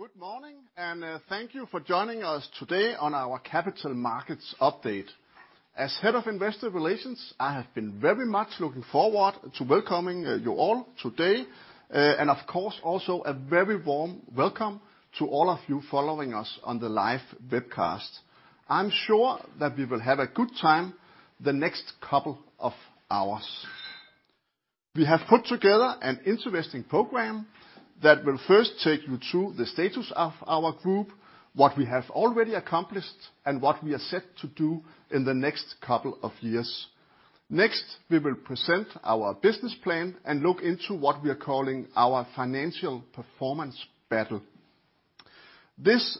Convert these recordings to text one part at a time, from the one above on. Good morning, thank you for joining us today on our capital markets update. As Head of Investor Relations, I have been very much looking forward to welcoming you all today. Of course, also a very warm welcome to all of you following us on the live webcast. I'm sure that we will have a good time the next couple of hours. We have put together an interesting program that will first take you to the status of our Group, what we have already accomplished, and what we are set to do in the next couple of years. We will present our business plan and look into what we are calling our financial performance battle. This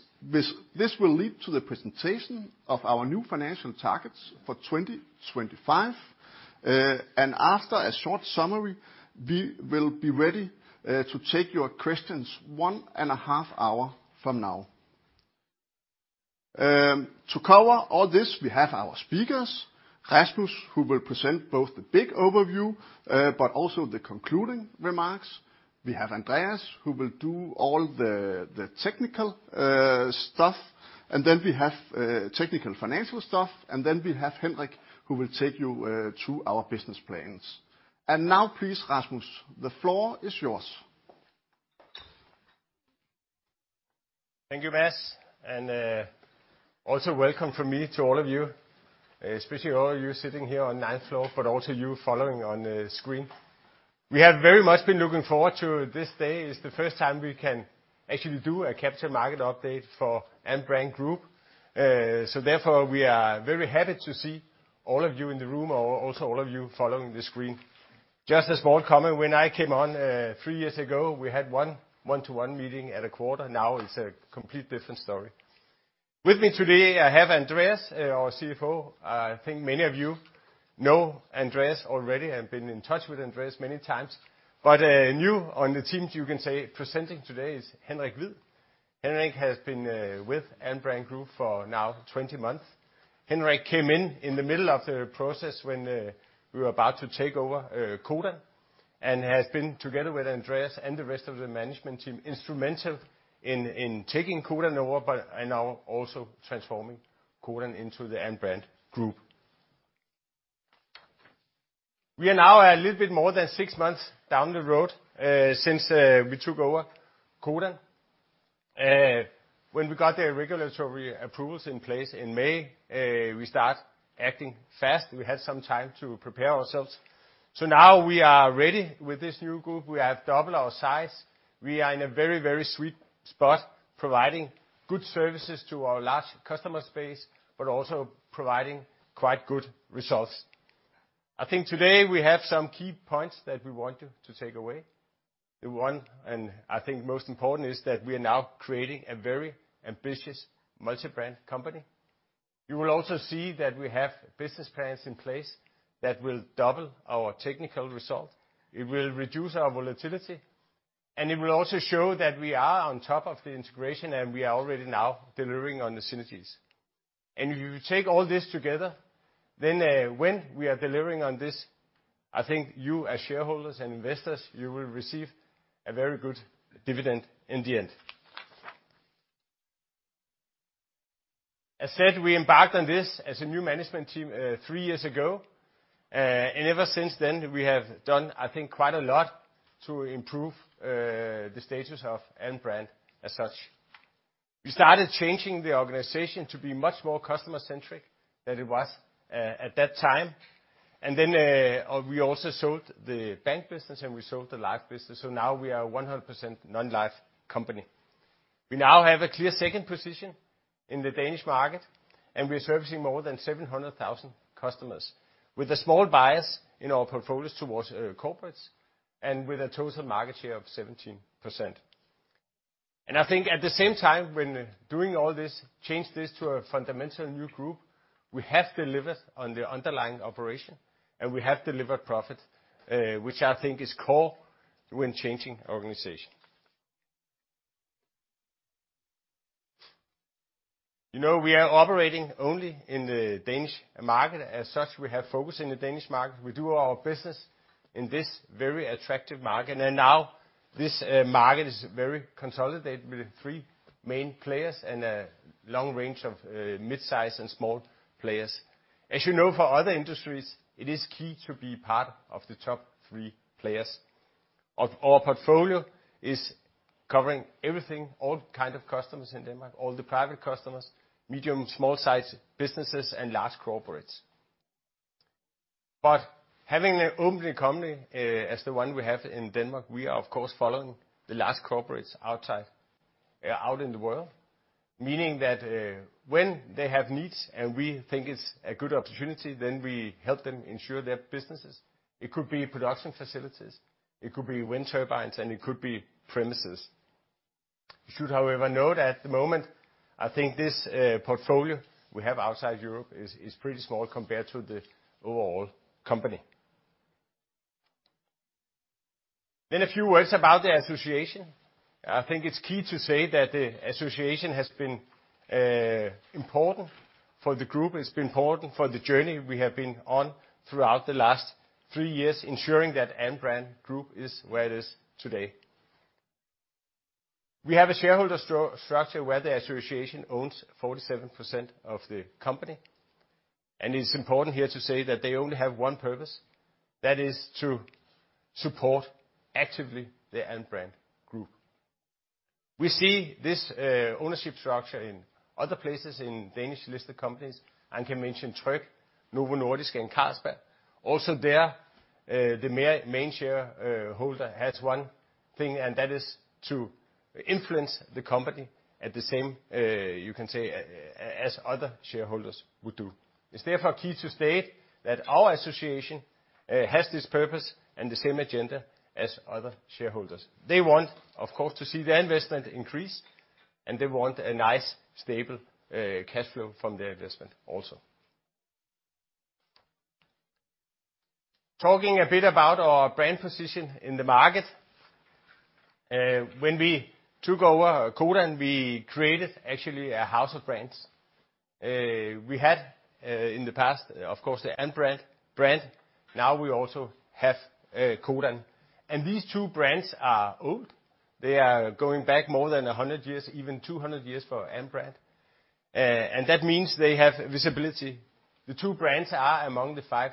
will lead to the presentation of our new financial targets for 2025. After a short summary, we will be ready to take your questions one and a half hour from now. To cover all this, we have our speakers, Rasmus, who will present both the big overview, but also the concluding remarks. We have Andreas, who will do all the technical stuff. Technical financial stuff. We have Henrik, who will take you to our business plans. Please, Rasmus, the floor is yours. Thank you, Mads, and also welcome from me to all of you, especially all of you sitting here on ninth floor, also you following on the screen. We have very much been looking forward to this day. It's the first time we can actually do a capital market update for Alm. Brand Group. Therefore, we are very happy to see all of you in the room, also all of you following the screen. Just a small comment, when I came on, three years ago, we had one one-to-one meeting at a quarter. Now it's a complete different story. With me today, I have Andreas, our CFO. I think many of you know Andreas already and been in touch with Andreas many times. New on the team, you can say, presenting today is Henrik Hviid. Henrik has been with Alm. Brand Group for now 20 months. Henrik came in in the middle of the process when we were about to take over Codan and has been together with Andreas and the rest of the management team, instrumental in taking Codan over, and now also transforming Codan into the Alm. Brand Group. We are now a little bit more than six months down the road since we took over Codan. When we got the regulatory approvals in place in May, we start acting fast. We had some time to prepare ourselves. Now we are ready with this new group. We have doubled our size. We are in a very, very sweet spot providing good services to our large customer space, but also providing quite good results. I think today we have some key points that we want you to take away. The one, and I think most important, is that we are now creating a very ambitious multi-brand company. You will also see that we have business plans in place that will double our technical result. It will reduce our volatility, and it will also show that we are on top of the integration, and we are already now delivering on the synergies. If you take all this together, then, when we are delivering on this, I think you, as shareholders and investors, you will receive a very good dividend in the end. As said, we embarked on this as a new management team, three years ago. Ever since then, we have done, I think, quite a lot to improve, the status of Alm. Brand as such. We started changing the organization to be much more customer-centric than it was at that time. We also sold the bank business, and we sold the life business, so now we are 100% non-life company. We now have a clear second position in the Danish market, and we're servicing more than 700,000 customers with a small bias in our portfolios towards corporates and with a total market share of 17%. I think at the same time, when doing all this, change this to a fundamental new group, we have delivered on the underlying operation, and we have delivered profit, which I think is core when changing organization. You know, we are operating only in the Danish market. As such, we have focus in the Danish market. We do our business in this very attractive market. Now this market is very consolidated with three main players and a long range of midsize and small players. As you know, for other industries, it is key to be part of the top three players. Our portfolio is covering everything, all kind of customers in Denmark, all the private customers, medium, small size businesses, and large corporates. Having an openly company as the one we have in Denmark, we are of course following the large corporates outside out in the world. Meaning that when they have needs and we think it's a good opportunity, then we help them ensure their businesses. It could be production facilities, it could be wind turbines, and it could be premises. You should, however, know that at the moment, I think this portfolio we have outside Europe is pretty small compared to the overall company. A few words about the association. I think it's key to say that the association has been important. For the group, it's been important for the journey we have been on throughout the last three years, ensuring that Alm. Brand Group is where it is today. We have a shareholder structure where the association owns 47% of the company, and it's important here to say that they only have one purpose, that is to support actively the Alm. Brand Group. We see this ownership structure in other places in Danish-listed companies. I can mention Tryg, Novo Nordisk, and Carlsberg. Also there, the main shareholder has one thing, and that is to influence the company at the same, you can say as other shareholders would do. It's therefore key to state that our association has this purpose and the same agenda as other shareholders. They want, of course, to see their investment increase, and they want a nice stable cash flow from their investment also. Talking a bit about our brand position in the market. When we took over Codan, we created actually a house of brands. We had in the past, of course, the brand, Brand. Now we also have Codan. These two brands are old. They are going back more than 100 years, even 200 years for Alm. Brand. And that means they have visibility. The two brands are among the five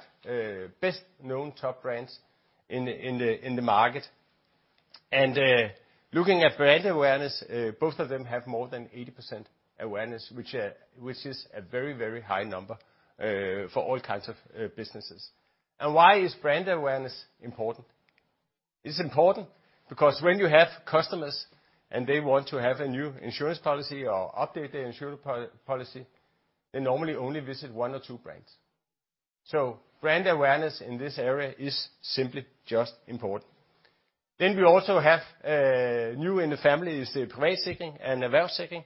best-known top brands in the market. Looking at brand awareness, both of them have more than 80% awareness, which is a very, very high number for all kinds of businesses. Why is brand awareness important? It's important because when you have customers and they want to have a new insurance policy or update their insurance policy, they normally only visit one or two brands. Brand awareness in this area is simply just important. We also have new in the family is the Privatsikring and Erhvervssikring.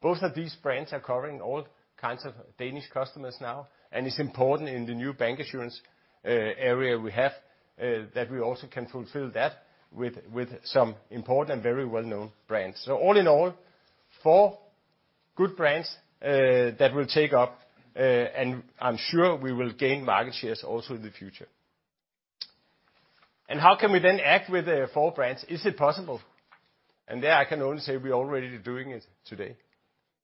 Both of these brands are covering all kinds of Danish customers now, and it's important in the new bank insurance area we have that we also can fulfill that with some important and very well-known brands. All in all, four good brands that will take up, and I'm sure we will gain market shares also in the future. How can we then act with the four brands? Is it possible? There I can only say we already doing it today.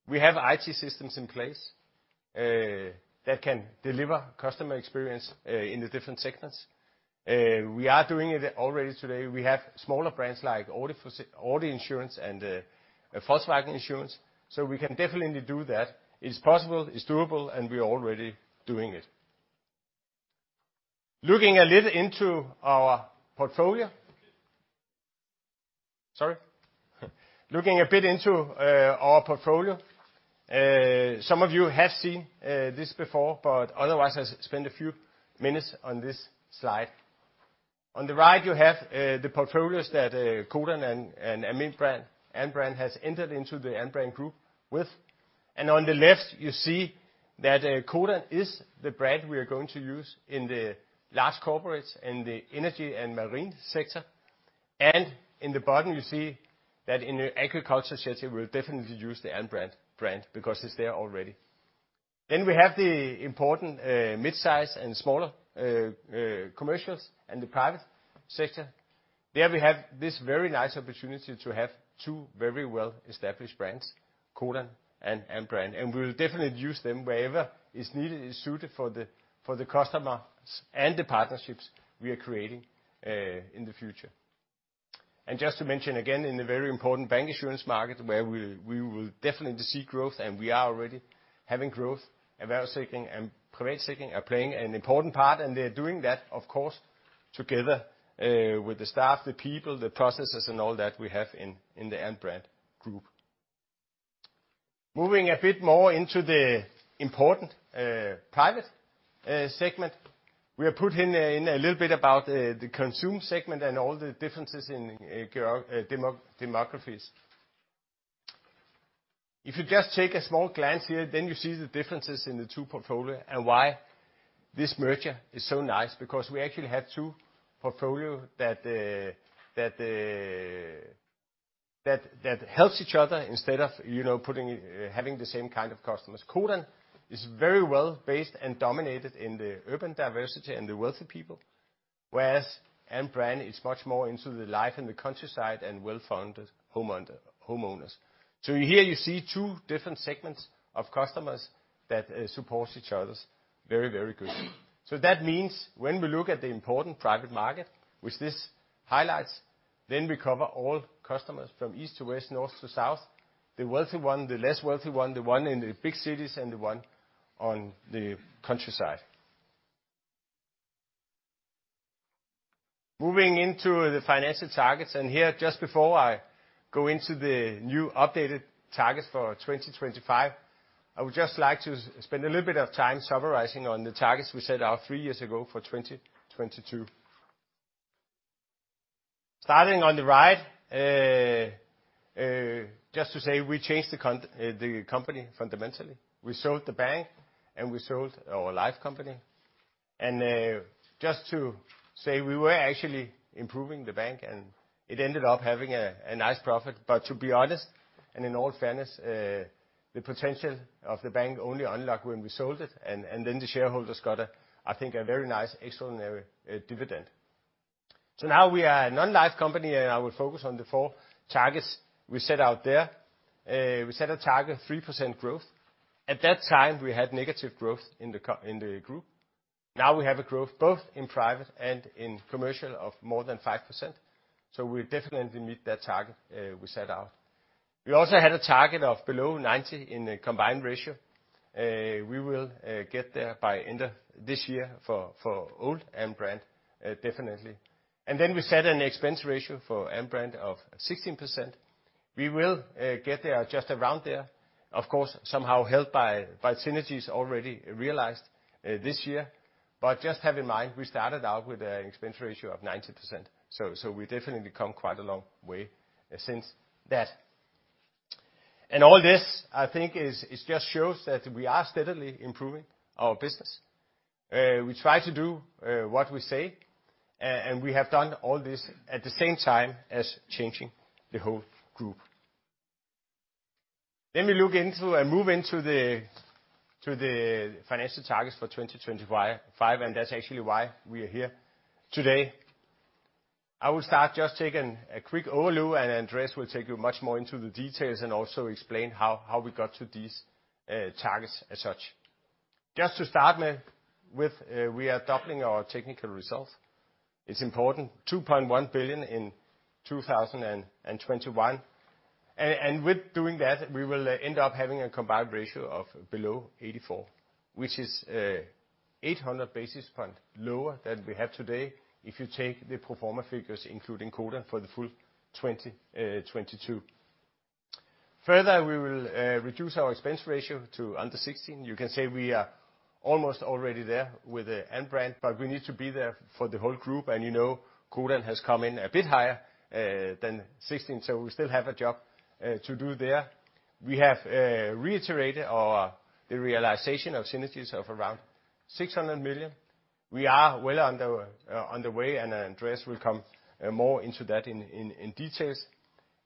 We have IT systems in place that can deliver customer experience in the different segments. We are doing it already today. We have smaller brands like Audi Insurance and Volkswagen Insurance. We can definitely do that. It's possible, it's doable, and we are already doing it. Looking a bit into our portfolio. Some of you have seen this before, but otherwise I'll spend a few minutes on this slide. On the right, you have the portfolios that Codan and Alm. Brand has entered into the Alm. Brand Group with. On the left, you see that Codan is the brand we are going to use in the large corporates in the energy and marine sector. In the bottom, you see that in the agriculture sector, we'll definitely use the Alm. Brand because it's there already. We have the important midsize and smaller commercials and the private sector. There we have this very nice opportunity to have two very well-established brands, Codan and Alm. Brand, and we will definitely use them wherever is needed and suited for the customers and the partnerships we are creating in the future. Just to mention again, in the very important bank insurance market where we will definitely see growth, and we are already having growth, Erhvervssikring and Privatsikring are playing an important part, and they are doing that, of course, together with the staff, the people, the processes and all that we have in the Alm. Brand Group. Moving a bit more into the important private segment, we have put in a little bit about the consume segment and all the differences in demographies. If you just take a small glance here, then you see the differences in the two portfolio and why this merger is so nice, because we actually have two portfolio that helps each other instead of, you know, putting having the same kind of customers. Codan is very well based and dominated in the urban diversity and the wealthy people, whereas Alm. Brand is much more into the life in the countryside and well-founded homeowners. Here you see two different segments of customers that supports each other very, very good. That means when we look at the important private market, which this highlights, then we cover all customers from east to west, north to south, the wealthy one, the less wealthy one, the one in the big cities and the one on the countryside. Moving into the financial targets, and here, just before I go into the new updated targets for 2025, I would just like to spend a little bit of time summarizing on the targets we set out three years ago for 2022. Starting on the right, just to say we changed the company fundamentally. We sold the bank, we sold our life company. Just to say we were actually improving the bank, and it ended up having a nice profit. To be honest, and in all fairness, the potential of the bank only unlocked when we sold it, and then the shareholders got a, I think a very nice extraordinary dividend. Now we are a non-life company, and I will focus on the four targets we set out there. We set a target of 3% growth. At that time, we had negative growth in the group. Now we have a growth both in private and in commercial of more than 5%, so we'll definitely meet that target we set out. We also had a target of below 90% in the combined ratio. We will get there by end of this year for Alm. Brand definitely. We set an expense ratio for Alm. Brand of 16%. We will get there just around there, of course, somehow helped by synergies already realized this year. Just have in mind, we started out with an expense ratio of 90%, so we've definitely come quite a long way since that. All this, I think is, it just shows that we are steadily improving our business. We try to do what we say, and we have done all this at the same time as changing the whole group. Let me look into and move into the financial targets for 2025, and that's actually why we are here today. I will start just taking a quick overview, and Andreas will take you much more into the details and also explain how we got to these targets as such. Just to start with, we are doubling our technical results. It's important: 2.1 billion in 2021. With doing that, we will end up having a combined ratio of below 84%, which is 800 basis points lower than we have today, if you take the pro forma figures including Codan for the full 2022. Further, we will reduce our expense ratio to under 16%. You can say we are almost already there with the Alm. Brand, we need to be there for the whole group, you know Codan has come in a bit higher than 16, we still have a job to do there. We have reiterated our, the realization of synergies of around 600 million. We are well underway, Andreas will come more into that in details.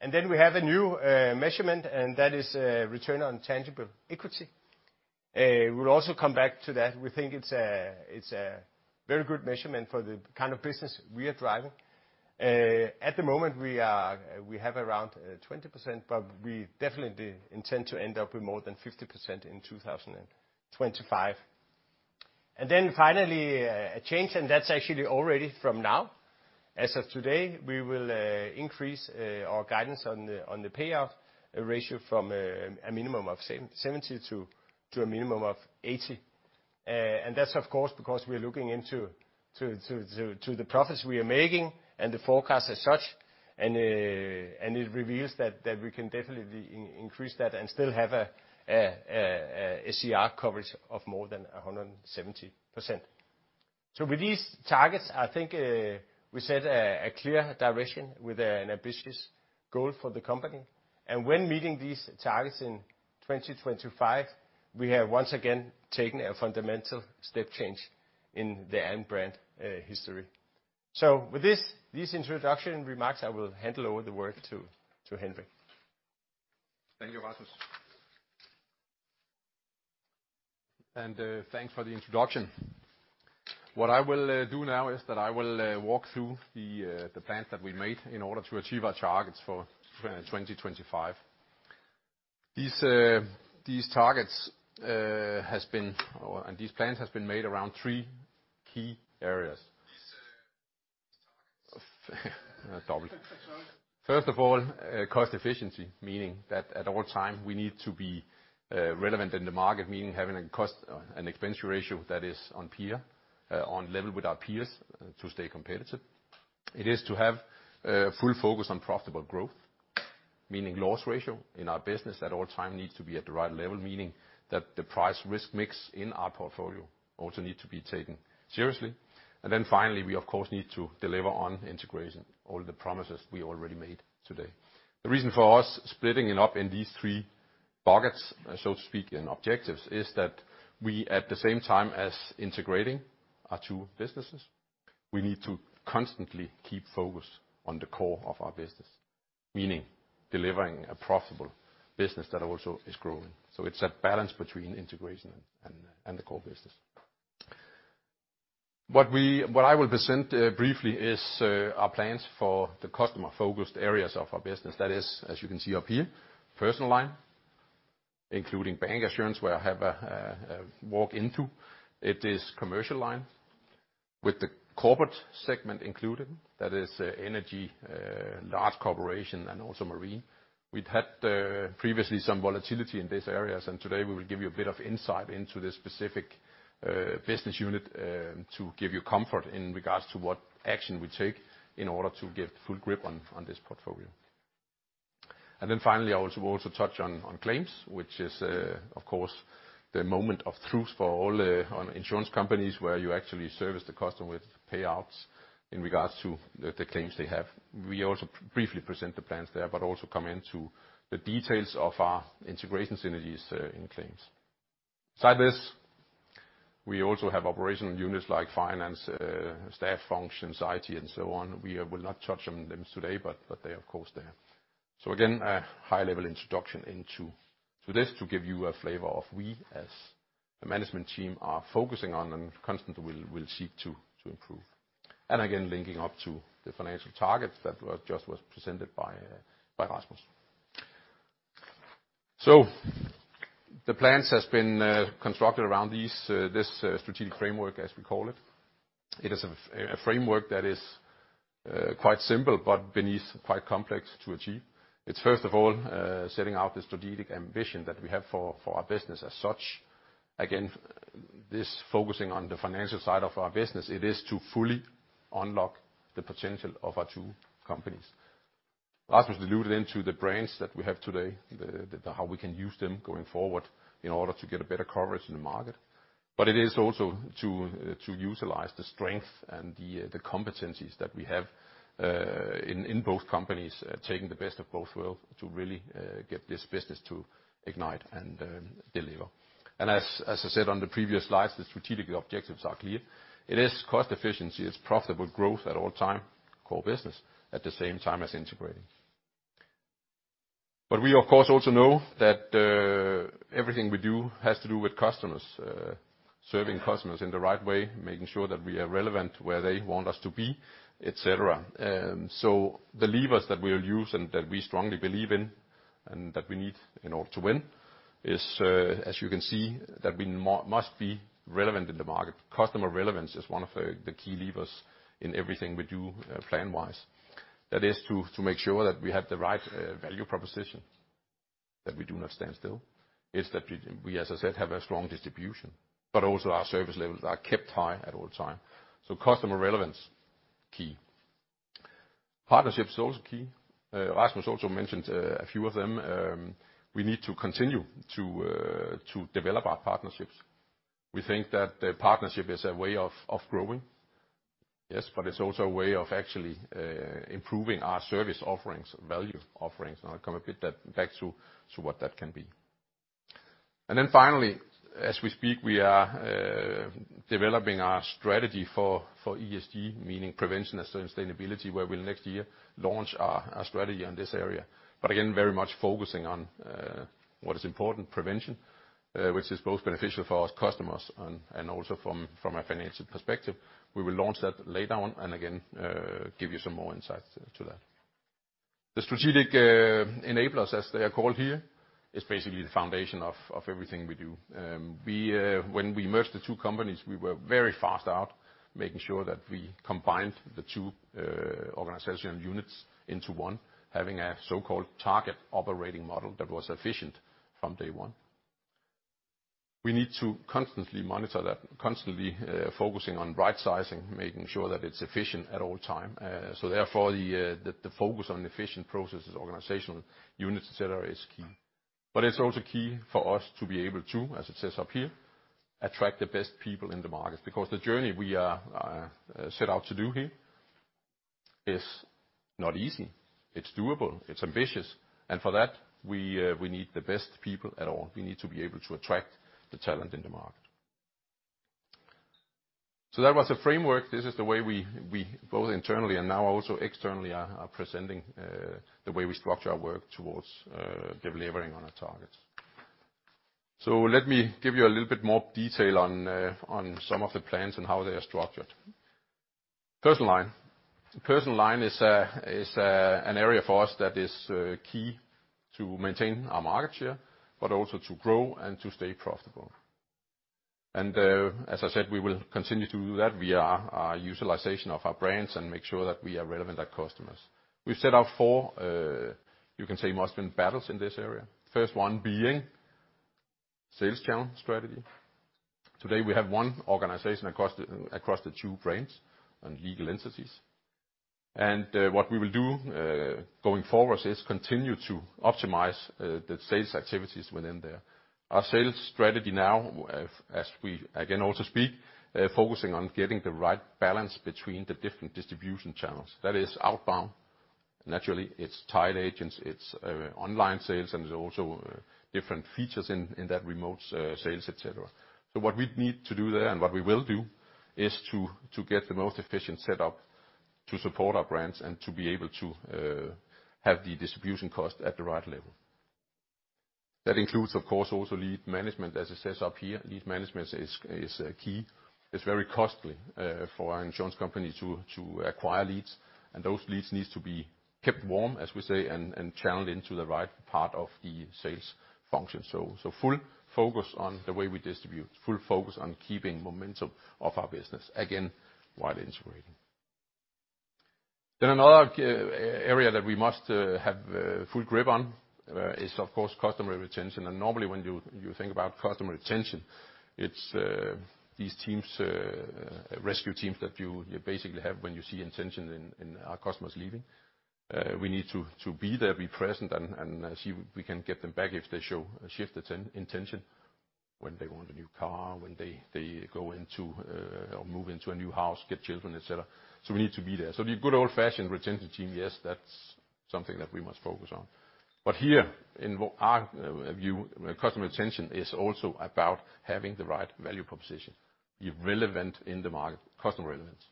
We have a new measurement, that is return on tangible equity. We'll also come back to that. We think it's a very good measurement for the kind of business we are driving. At the moment we have around 20%, we definitely intend to end up with more than 50% in 2025. Finally, a change, and that's actually already from now. As of today, we will increase our guidance on the payout ratio from a minimum of 70 to a minimum of 80. That's of course because we're looking into the profits we are making and the forecast as such, and it reveals that we can definitely increase that and still have an SCR coverage of more than 170%. With these targets, I think we set a clear direction with an ambitious goal for the company. When meeting these targets in 2025, we have once again taken a fundamental step change in the Alm. Brand history. With these introduction remarks, I will hand over the work to Henrik. Thank you, Rasmus. Thanks for the introduction. What I will do now is that I will walk through the plans that we made in order to achieve our targets for 2025. These plans has been made around three key areas. These targets. Double. Sorry. First of all, cost efficiency, meaning that at all time we need to be relevant in the market, meaning having a cost, an expense ratio that is on peer, on level with our peers to stay competitive. It is to have full focus on profitable growth, meaning loss ratio in our business at all time needs to be at the right level, meaning that the price risk mix in our portfolio also need to be taken seriously. Finally, we of course need to deliver on integration all the promises we already made today. The reason for us splitting it up in these three buckets, so to speak, and objectives, is that we, at the same time as integrating our two businesses, we need to constantly keep focus on the core of our business. Meaning delivering a profitable business that also is growing. It's a balance between integration and the core business. What I will present briefly is our plans for the customer-focused areas of our business. That is, as you can see up here, personal line, including bank insurance, where I have a walk into. It is commercial line with the corporate segment included. That is energy, large corporation, and also marine. We'd had previously some volatility in these areas. Today we will give you a bit of insight into this specific business unit to give you comfort in regards to what action we take in order to get full grip on this portfolio. Finally, I will also touch on claims, which is, of course, the moment of truth for all insurance companies where you actually service the customer with payouts in regards to the claims they have. We also briefly present the plans there, but also come into the details of our integration synergies in claims. We also have operational units like finance, staff function, IT, and so on. We will not touch on them today, but they're of course there. Again, a high-level introduction into this to give you a flavor of we as a management team are focusing on and constantly will seek to improve. Again, linking up to the financial targets that was just presented by Rasmus. The plans has been constructed around these, this strategic framework, as we call it. It is a framework that is quite simple, but beneath quite complex to achieve. It's first of all, setting out the strategic ambition that we have for our business as such. Again, this focusing on the financial side of our business, it is to fully unlock the potential of our two companies. Rasmus alluded into the brands that we have today, the how we can use them going forward in order to get a better coverage in the market. It is also to utilize the strength and the competencies that we have in both companies, taking the best of both worlds to really get this business to ignite and deliver. As I said on the previous slides, the strategic objectives are clear. It is cost efficiency, it's profitable growth at all time, core business, at the same time as integrating. We, of course, also know that everything we do has to do with customers, serving customers in the right way, making sure that we are relevant where they want us to be, et cetera. The levers that we'll use and that we strongly believe in and that we need in order to win is, as you can see, that we must be relevant in the market. Customer relevance is one of the key levers in everything we do plan-wise. That is to make sure that we have the right value proposition, that we do not stand still. It's that we, as I said, have a strong distribution, but also our service levels are kept high at all time. Customer relevance, key. Partnership is also key. Rasmus also mentioned a few of them. We need to continue to develop our partnerships. We think that the partnership is a way of growing. Yes, but it's also a way of actually improving our service offerings, value offerings. I'll come a bit, that back to what that can be. Then finally, as we speak, we are developing our strategy for ESG, meaning prevention and sustainability, where we'll next year launch our strategy in this area. Again, very much focusing on what is important, prevention, which is both beneficial for our customers and also from a financial perspective. We will launch that later on, and again, give you some more insights to that. The strategic enablers, as they are called here, is basically the foundation of everything we do. When we merged the two companies, we were very fast out making sure that we combined the two organizational units into one, having a so-called target operating model that was efficient from day one. We need to constantly monitor that, constantly focusing on rightsizing, making sure that it's efficient at all time. Therefore, the focus on efficient processes, organizational units, et cetera, is key. It's also key for us to be able to, as it says up here, attract the best people in the market, because the journey we are set out to do here is not easy. It's doable, it's ambitious, for that, we need the best people at all. We need to be able to attract the talent in the market. That was a framework. This is the way we both internally and now also externally are presenting the way we structure our work towards delivering on our targets. Let me give you a little bit more detail on some of the plans and how they are structured. Personal line. Personal line is an area for us that is key to maintain our market share, but also to grow and to stay profitable. As I said, we will continue to do that via our utilization of our brands and make sure that we are relevant at customers. We've set out four, you can say must-win battles in this area. First one being sales channel strategy. Today, we have one organization across the two brands and legal entities. What we will do going forward is continue to optimize the sales activities within there. Our sales strategy now, as we again also speak, focusing on getting the right balance between the different distribution channels. That is outbound. Naturally, it's tied agents, it's online sales, and there's also different features in that remote sales, et cetera. What we need to do there, and what we will do, is to get the most efficient set up to support our brands and to be able to have the distribution cost at the right level. That includes, of course, also lead management. As it says up here, lead management is key. It's very costly for an insurance company to acquire leads. Those leads needs to be kept warm, as we say, and channeled into the right part of the sales function. Full focus on the way we distribute, full focus on keeping momentum of our business again, while integrating. Another area that we must have a full grip on is of course customer retention. Normally, when you think about customer retention, it's these teams, rescue teams that you basically have when you see intention in our customers leaving. We need to be there, be present, and see if we can get them back if they show a shift intention when they want a new car, when they go into or move into a new house, get children, et cetera. We need to be there. The good old-fashioned retention team, yes, that's something that we must focus on. Here in our view, customer retention is also about having the right value proposition. Be relevant in the market, customer relevance.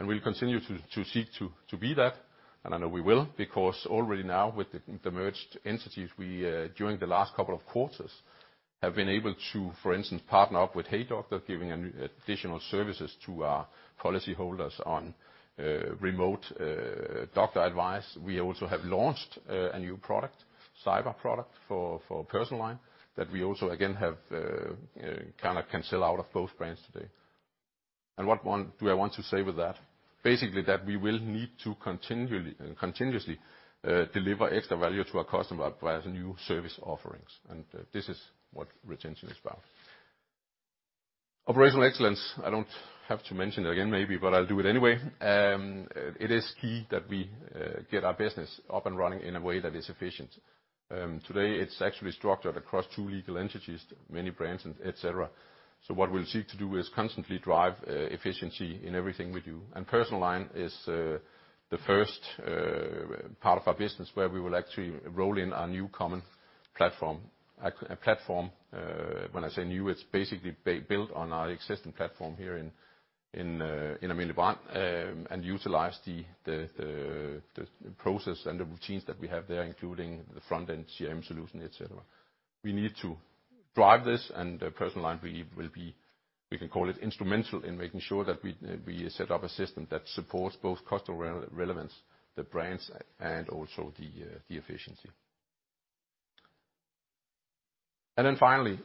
We'll continue to seek to be that, and I know we will, because already now with the merged entities, we during the last couple of quarters have been able to, for instance, partner up with Hejdoktor, giving an additional services to our policy holders on remote doctor advice. We also have launched a new product, cyber product for personal line that we also again have kind of can sell out of both brands today. Do I want to say with that? Basically that we will need to continually, continuously, deliver extra value to our customer via the new service offerings, and this is what retention is about. Operational excellence, I don't have to mention it again maybe, but I'll do it anyway. It is key that we get our business up and running in a way that is efficient. Today it's actually structured across two legal entities, many brands, and et cetera. What we'll seek to do is constantly drive efficiency in everything we do. Personal line is the first part of our business where we will actually roll in our new common platform. A platform, when I say new, it's basically built on our existing platform here in. Then you,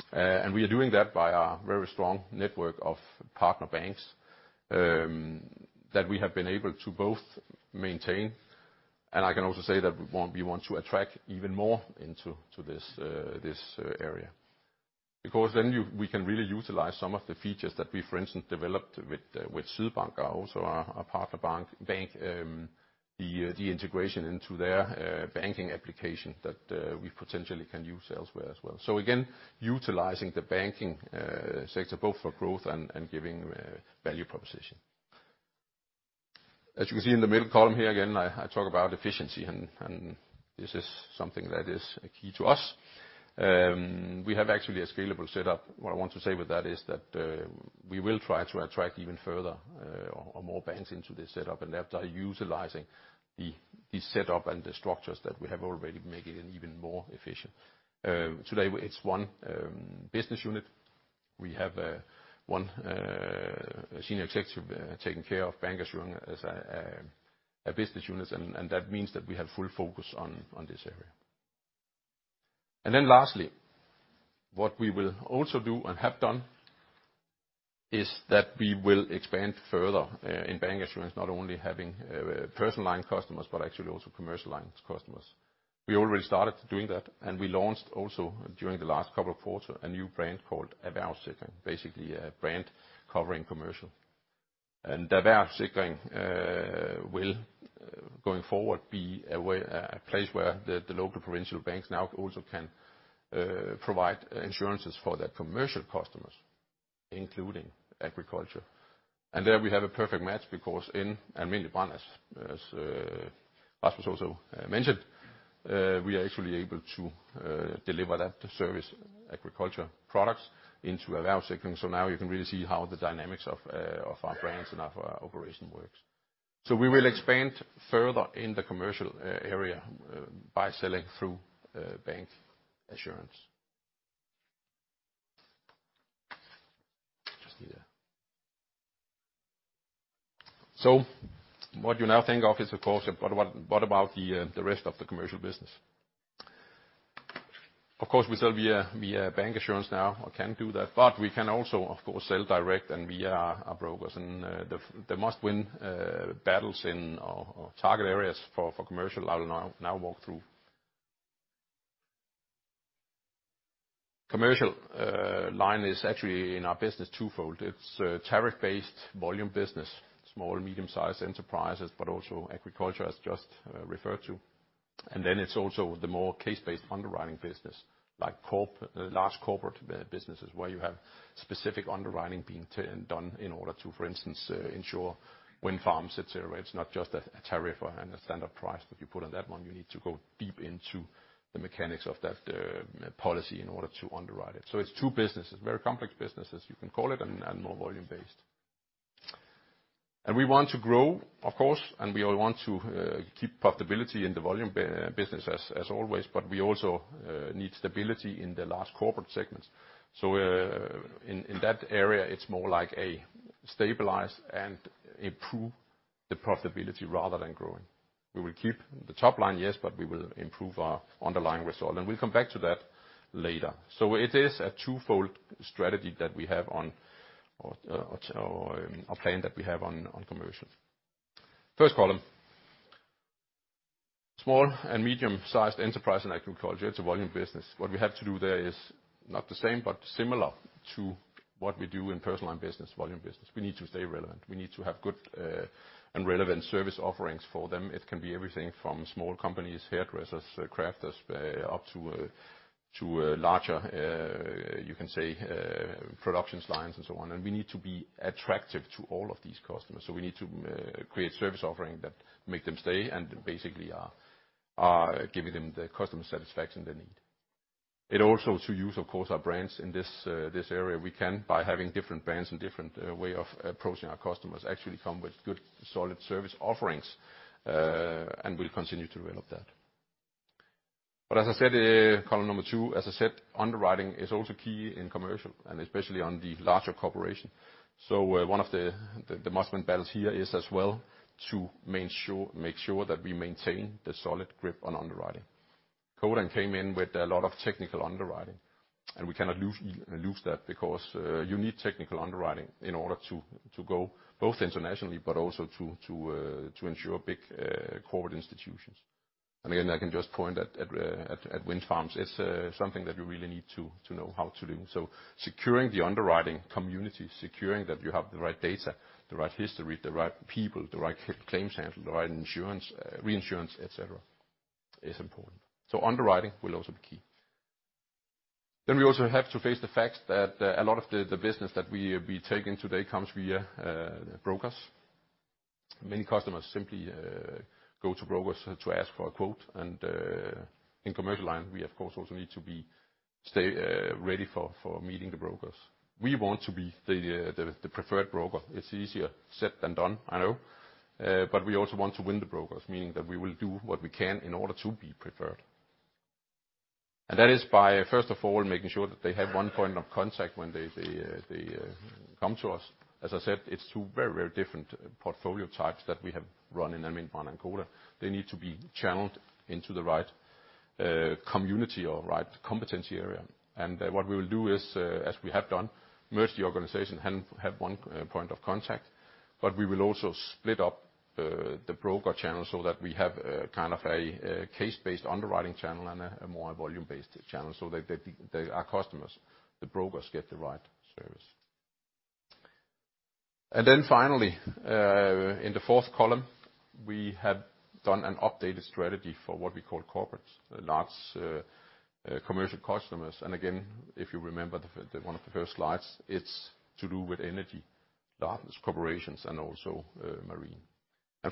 we can really utilize some of the features that we, for instance, developed with. As you can see in the middle column here, again, I talk about efficiency and this is something that is key to us. We have actually a scalable setup. What I want to say with that is that we will try to attract even further, or more banks into this setup, and after utilizing the setup and the structures that we have already making it even more efficient. Today it's one business unit. We have one senior executive taking care of bancassurance as a business unit, and that means that we have full focus on this area. Lastly, what we will also do and have done is that we will expand further in bancassurance, not only having personal line customers, but actually also commercial line customers. We already started doing that. We launched also during the last couple of quarters a new brand called Erhvervssikring, basically a brand covering commercial. Erhvervssikring will, going forward, be a way, a place where the local provincial banks now also can provide insurances for their commercial customers, including agriculture. There we have a perfect match because in Alm. Brand as As was also mentioned, we are actually able to deliver that to service agriculture products into our value segment. Now you can really see how the dynamics of our brands and of our operation works. We will expand further in the commercial area by selling through bancassurance. Just here. What you now think of is, of course, but what about the rest of the commercial business? Of course, we sell via bancassurance now or can do that, but we can also, of course, sell direct and via our brokers. The must-win battles in our target areas for commercial I will now walk through. Commercial line is actually in our business twofold. It's a tariff-based volume business, small and medium-sized enterprises, but also agriculture, as just referred to. It's also the more case-based underwriting business, large corporate businesses, where you have specific underwriting being done in order to, for instance, insure wind farms, et cetera. It's not just a tariff and a standard price that you put on that one. You need to go deep into the mechanics of that policy in order to underwrite it. It's two businesses, very complex businesses, you can call it, and more volume-based. We want to grow, of course, and we want to keep profitability in the volume business as always, but we also need stability in the large corporate segments. In that area, it's more like a stabilize and improve the profitability rather than growing. We will keep the top line, yes, but we will improve our underlying result. We'll come back to that later. It is a twofold strategy that we have on, or a plan that we have on commercial. First column, small and medium-sized enterprise and agriculture, it's a volume business. What we have to do there is not the same, but similar to what we do in personal line business, volume business. We need to stay relevant. We need to have good and relevant service offerings for them. It can be everything from small companies, hairdressers, crafters, up to larger, you can say, productions lines and so on. We need to be attractive to all of these customers. We need to create service offering that make them stay and basically are giving them the customer satisfaction they need. It also to use, of course, our brands in this area. We can by having different brands and different way of approaching our customers actually come with good solid service offerings, and we'll continue to develop that. As I said, column two, as I said, underwriting is also key in commercial and especially on the larger corporation. One of the must-win battles here is as well to make sure that we maintain the solid grip on underwriting. Codan came in with a lot of technical underwriting, and we cannot lose that because you need technical underwriting in order to go both internationally, but also to insure big corporate institutions. Again, I can just point at wind farms. It's something that you really need to know how to do. Securing the underwriting community, securing that you have the right data, the right history, the right people, the right claims handle, the right insurance, reinsurance, et cetera, is important. Underwriting will also be key. We also have to face the fact that a lot of the business that we take in today comes via brokers. Many customers simply go to brokers to ask for a quote. In commercial line, we of course also need to be stay ready for meeting the brokers. We want to be the preferred broker. It's easier said than done, I know. We also want to win the brokers, meaning that we will do what we can in order to be preferred. That is by, first of all, making sure that they have one point of contact when they come to us. As I said, it's two very different portfolio types that we have run in Alm. Brand and Codan. They need to be channeled into the right community or right competency area. What we will do is, as we have done, merge the organization and have one point of contact, but we will also split up the broker channel so that we have kind of a case-based underwriting channel and a more volume-based channel so that our customers, the brokers, get the right service. Finally, in the fourth column, we have done an updated strategy for what we call corporates, large commercial customers. Again, if you remember one of the first slides, it's to do with energy, large corporations and also marine.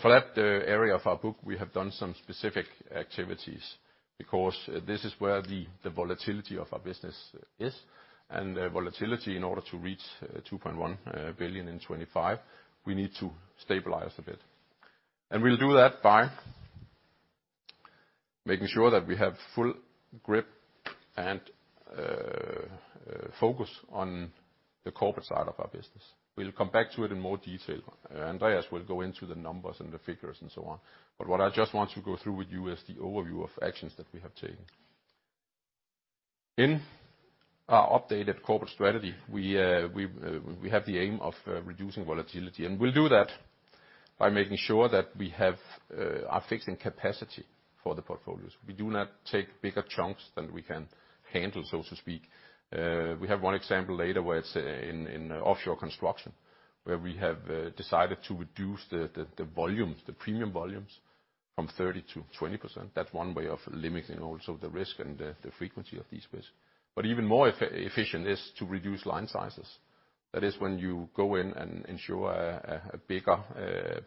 For that area of our book, we have done some specific activities because this is where the volatility of our business is. Volatility, in order to reach 2.1 billion in 2025, we need to stabilize a bit. We'll do that by making sure that we have full grip and focus on the corporate side of our business. We'll come back to it in more detail. Andreas will go into the numbers and the figures and so on. What I just want to go through with you is the overview of actions that we have taken. In our updated corporate strategy, we have the aim of reducing volatility, and we'll do that by making sure that we are fixing capacity for the portfolios. We do not take bigger chunks than we can handle, so to speak. We have one example later where it's in offshore construction, where we have decided to reduce the volumes, the premium volumes from 30% to 20%. That's one way of limiting also the risk and the frequency of these risks. Even more efficient is to reduce line sizes. That is when you go in and ensure a bigger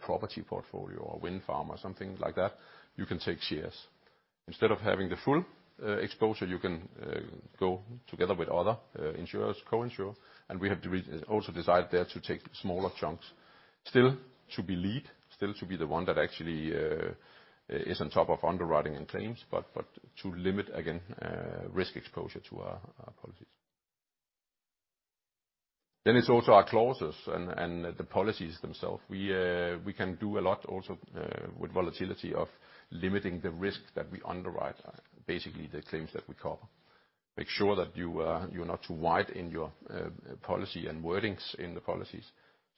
property portfolio or wind farm or something like that, you can take shares. Instead of having the full exposure, you can go together with other insurers, co-insure, and we have also decided there to take smaller chunks. Still to be lead, still to be the one that actually is on top of underwriting and claims, but to limit again risk exposure to our policies. It's also our clauses and the policies themselves. We can do a lot also with volatility of limiting the risk that we underwrite, basically, the claims that we cover. Make sure that you are, you're not too wide in your policy and wordings in the policies.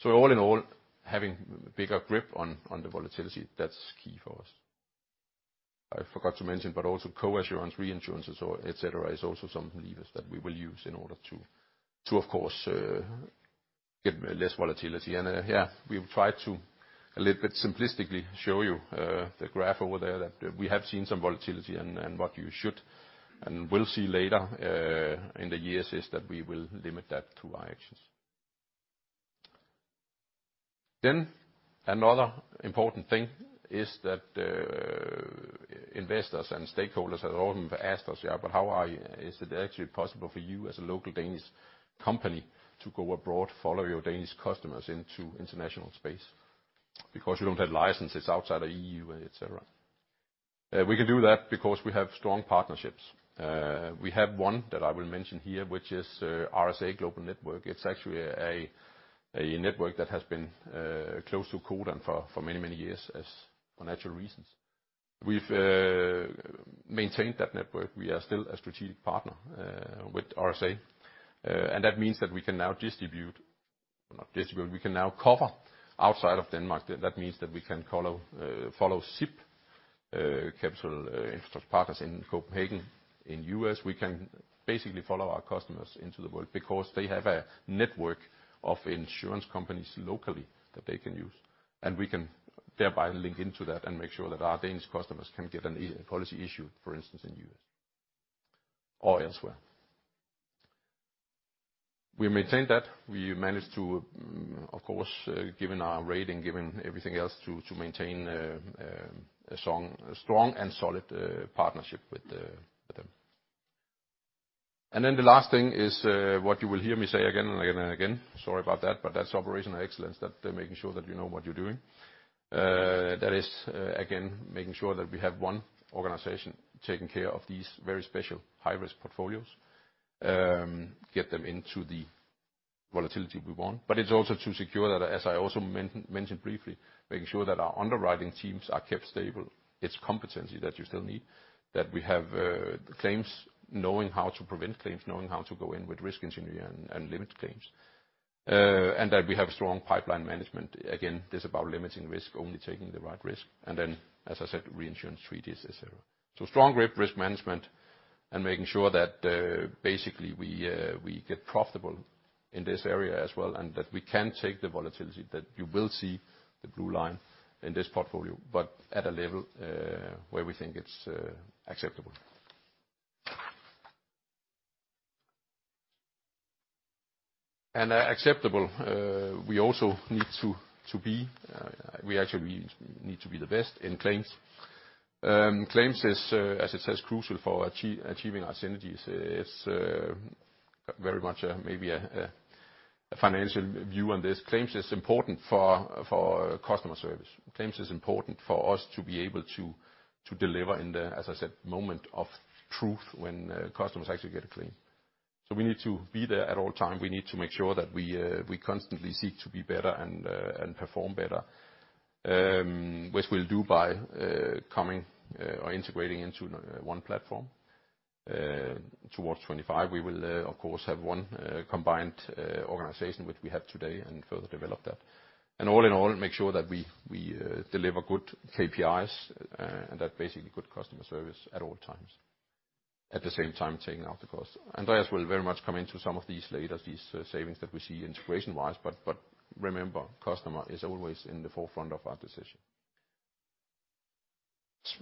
All in all, having bigger grip on the volatility, that's key for us. I forgot to mention, but also coinsurance, reinsurances or et cetera, is also some levers that we will use in order to, of course, get less volatility. Here we've tried to, a little bit simplistically, show you the graph over there that we have seen some volatility and what you should and will see later in the years is that we will limit that through our actions. Another important thing is that investors and stakeholders have often asked us, "Yeah, but how is it actually possible for you as a local Danish company to go abroad, follow your Danish customers into international space? You don't have licenses outside of EU and et cetera. We can do that because we have strong partnerships. We have one that I will mention here, which is RSA Global Network. It's actually a network that has been close to Codan for many, many years as for natural reasons. We've maintained that network. We are still a strategic partner with RSA. That means that we can now Not distribute, we can now cover outside of Denmark. That means that we can follow CIP, Copenhagen Infrastructure Partners in Copenhagen, in U.S. We can basically follow our customers into the world because they have a network of insurance companies locally that they can use, and we can thereby link into that and make sure that our Danish customers can get a policy issued, for instance, in U.S. or elsewhere. We maintain that. We managed to, of course, given our rating, given everything else, to maintain a strong and solid partnership with them. The last thing is what you will hear me say again and again and again, sorry about that, but that's operational excellence, that making sure that you know what you're doing. That is again making sure that we have one organization taking care of these very special high-risk portfolios, get them into the volatility we want. It's also to secure that, as I also mentioned briefly, making sure that our underwriting teams are kept stable. It's competency that you still need, that we have claims, knowing how to prevent claims, knowing how to go in with risk engineering and limit claims, and that we have strong pipeline management. Again, this is about limiting risk, only taking the right risk. Then, as I said, reinsurance treaties, et cetera. Strong risk management and making sure that basically we get profitable in this area as well, and that we can take the volatility, that you will see the blue line in this portfolio, but at a level where we think it's acceptable. Acceptable, we also need to be, we actually need to be the best in claims. Claims is, as it says, crucial for achieving our synergies. It's very much maybe a financial view on this. Claims is important for customer service. Claims is important for us to be able to deliver in the, as I said, moment of truth when customers actually get a claim. We need to be there at all time. We need to make sure that we constantly seek to be better and perform better, which we'll do by coming or integrating into one platform. Towards 2025, we will, of course, have one combined organization, which we have today, and further develop that. All in all, make sure that we deliver good KPIs and that basically good customer service at all times, at the same time taking out the costs. Andreas will very much come into some of these later, these savings that we see integration-wise, but remember, customer is always in the forefront of our decision.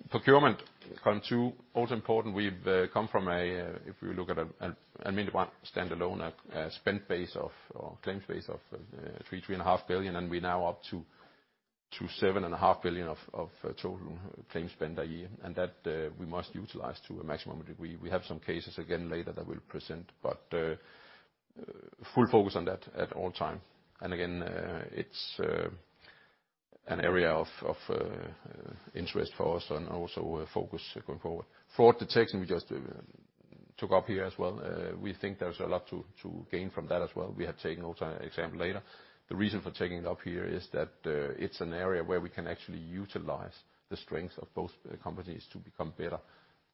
Procurement come too, also important. We've come from a, if we look at Alm. Brand standalone, a spend base of, or claims base of, 3 billion-3.5 billion, and we're now up to 7.5 billion of total claims spend a year. That we must utilize to a maximum degree. We have some cases again later that we'll present, but full focus on that at all time. Again, it's an area of interest for us and also a focus going forward. Fraud detection, we just took up here as well. We think there's a lot to gain from that as well. We have taken also an example later. The reason for taking it up here is that it's an area where we can actually utilize the strength of both companies to become better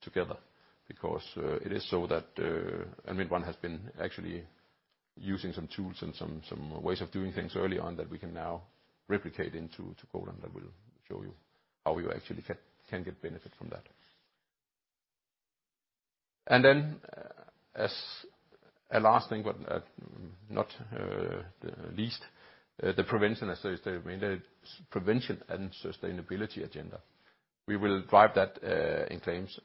together. It is so that Alm. Brand has been actually using some tools and some ways of doing things early on that we can now replicate into Codan, that we'll show you how we actually can get benefit from that. As a last thing, not least, the prevention and sustainability. Prevention and sustainability agenda. We will drive that in claims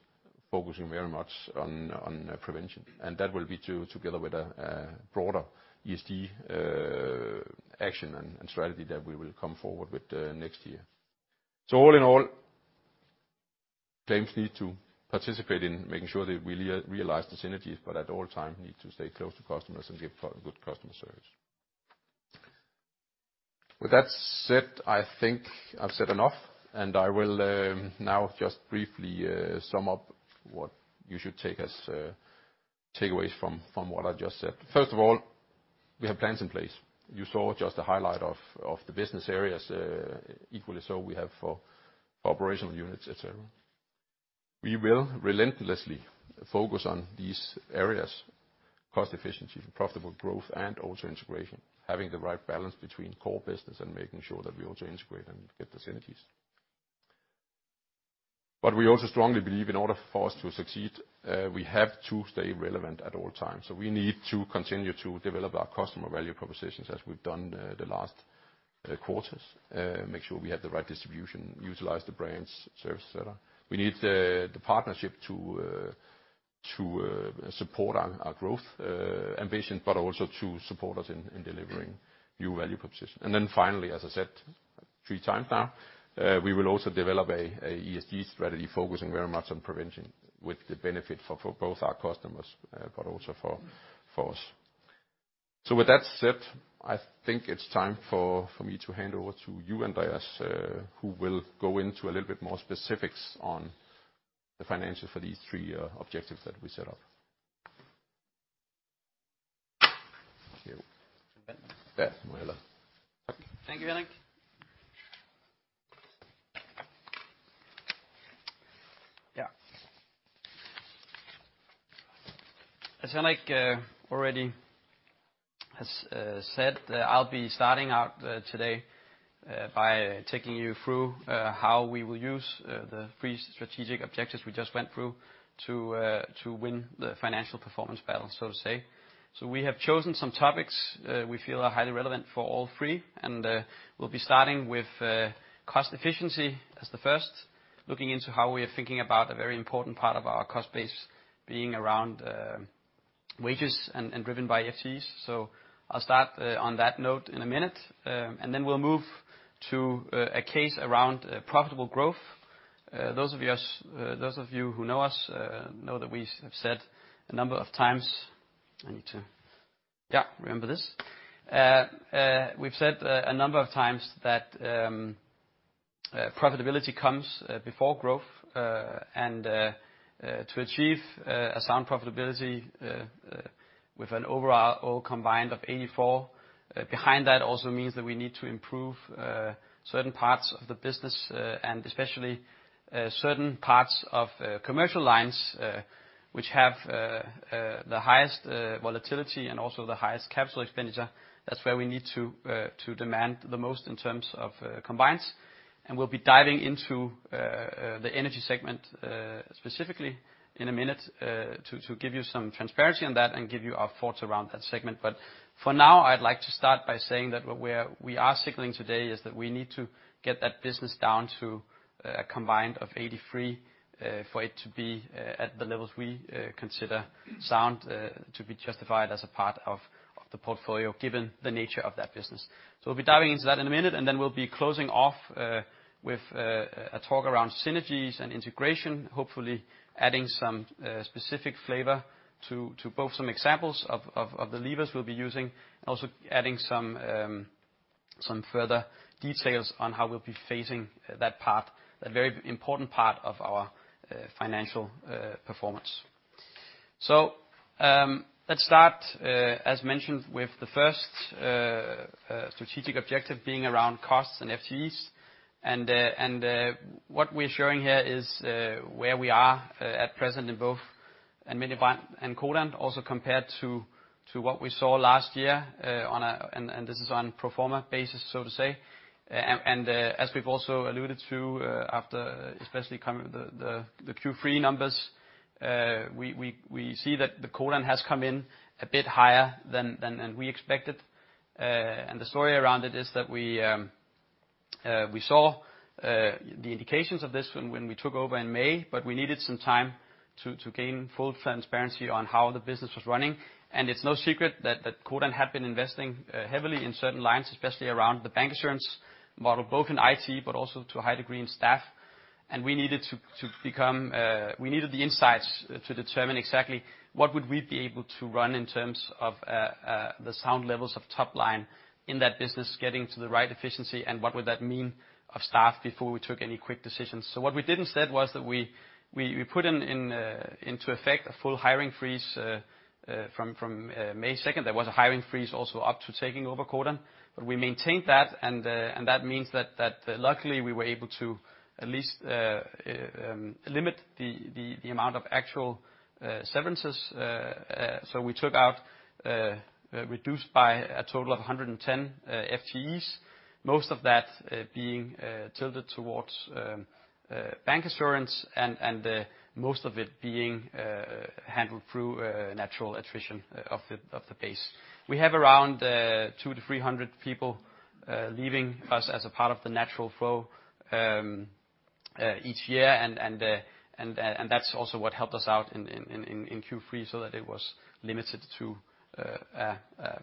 focusing very much on prevention, and that will be together with a broader ESG action and strategy that we will come forward with next year. All in all, claims need to participate in making sure that we realize the synergies, but at all times need to stay close to customers and give good customer service. With that said, I think I've said enough, and I will now just briefly sum up what you should take as takeaways from what I just said. First of all, we have plans in place. You saw just a highlight of the business areas, equally so we have for operational units, et cetera. We will relentlessly focus on these areas: cost efficiency, profitable growth, and also integration, having the right balance between core business and making sure that we also integrate and get the synergies. We also strongly believe in order for us to succeed, we have to stay relevant at all times. We need to continue to develop our customer value propositions as we've done the last quarters. Make sure we have the right distribution, utilize the brands, service, et cetera. We need the partnership to support our growth ambition, but also to support us in delivering new value proposition. Finally, as I said three times now, we will also develop a ESG strategy focusing very much on prevention with the benefit for both our customers, but also for us. With that said, I think it's time for me to hand over to you, Andreas, who will go into a little bit more specifics on the financials for these three objectives that we set up. Thank you, Henrik. Yeah. As Henrik already has said, I'll be starting out today by taking you through how we will use the three strategic objectives we just went through to win the financial performance battle, so to say. We have chosen some topics we feel are highly relevant for all three, and we'll be starting with cost efficiency as the first, looking into how we are thinking about a very important part of our cost base being around wages and driven by FTEs. I'll start on that note in a minute. Then we'll move to a case around profitable growth. Those of us, those of you who know us, know that we have said a number of times. I need to, yeah, remember this. We've said a number of times that profitability comes before growth and to achieve a sound profitability with an overall combined of 84 behind that also means that we need to improve certain parts of the business and especially certain parts of commercial lines which have the highest volatility and also the highest capital expenditure. That's where we need to demand the most in terms of combines. We'll be diving into the energy segment specifically in a minute to give you some transparency on that and give you our thoughts around that segment. For now, I'd like to start by saying that what we are signaling today is that we need to get that business down to a combined of 83 for it to be at the levels we consider sound to be justified as a part of the portfolio given the nature of that business. We'll be diving into that in a minute, and then we'll be closing off with a talk around synergies and integration, hopefully adding some specific flavor to both some examples of the levers we'll be using and also adding some further details on how we'll be facing that part, that very important part of our financial performance. Let's start, as mentioned, with the first strategic objective being around costs and FTEs. What we're showing here is, where we are, at present in both Admin & Finance and Codan, also compared to what we saw last year, and this is on pro forma basis, so to say. As we've also alluded to, after especially coming the Q3 numbers, we see that Codan has come in a bit higher than we expected. The story around it is that we saw the indications of this when we took over in May, but we needed some time to gain full transparency on how the business was running. It's no secret that Codan had been investing heavily in certain lines, especially around the bank insurance model, both in IT, but also to a high degree in staff. We needed to become, we needed the insights to determine exactly what would we be able to run in terms of the sound levels of top line in that business, getting to the right efficiency, and what would that mean of staff before we took any quick decisions. What we did instead was that we put into effect a full hiring freeze from May 2nd. There was a hiring freeze also up to taking over Codan. We maintained that, and that means that luckily, we were able to at least limit the amount of actual severances. We took out reduced by a total of 110 FTEs, most of that being tilted towards bank insurance and most of it being handled through natural attrition of the base. We have around 200-300 people leaving us as a part of the natural flow each year, and that's also what helped us out in Q3 so that it was limited to a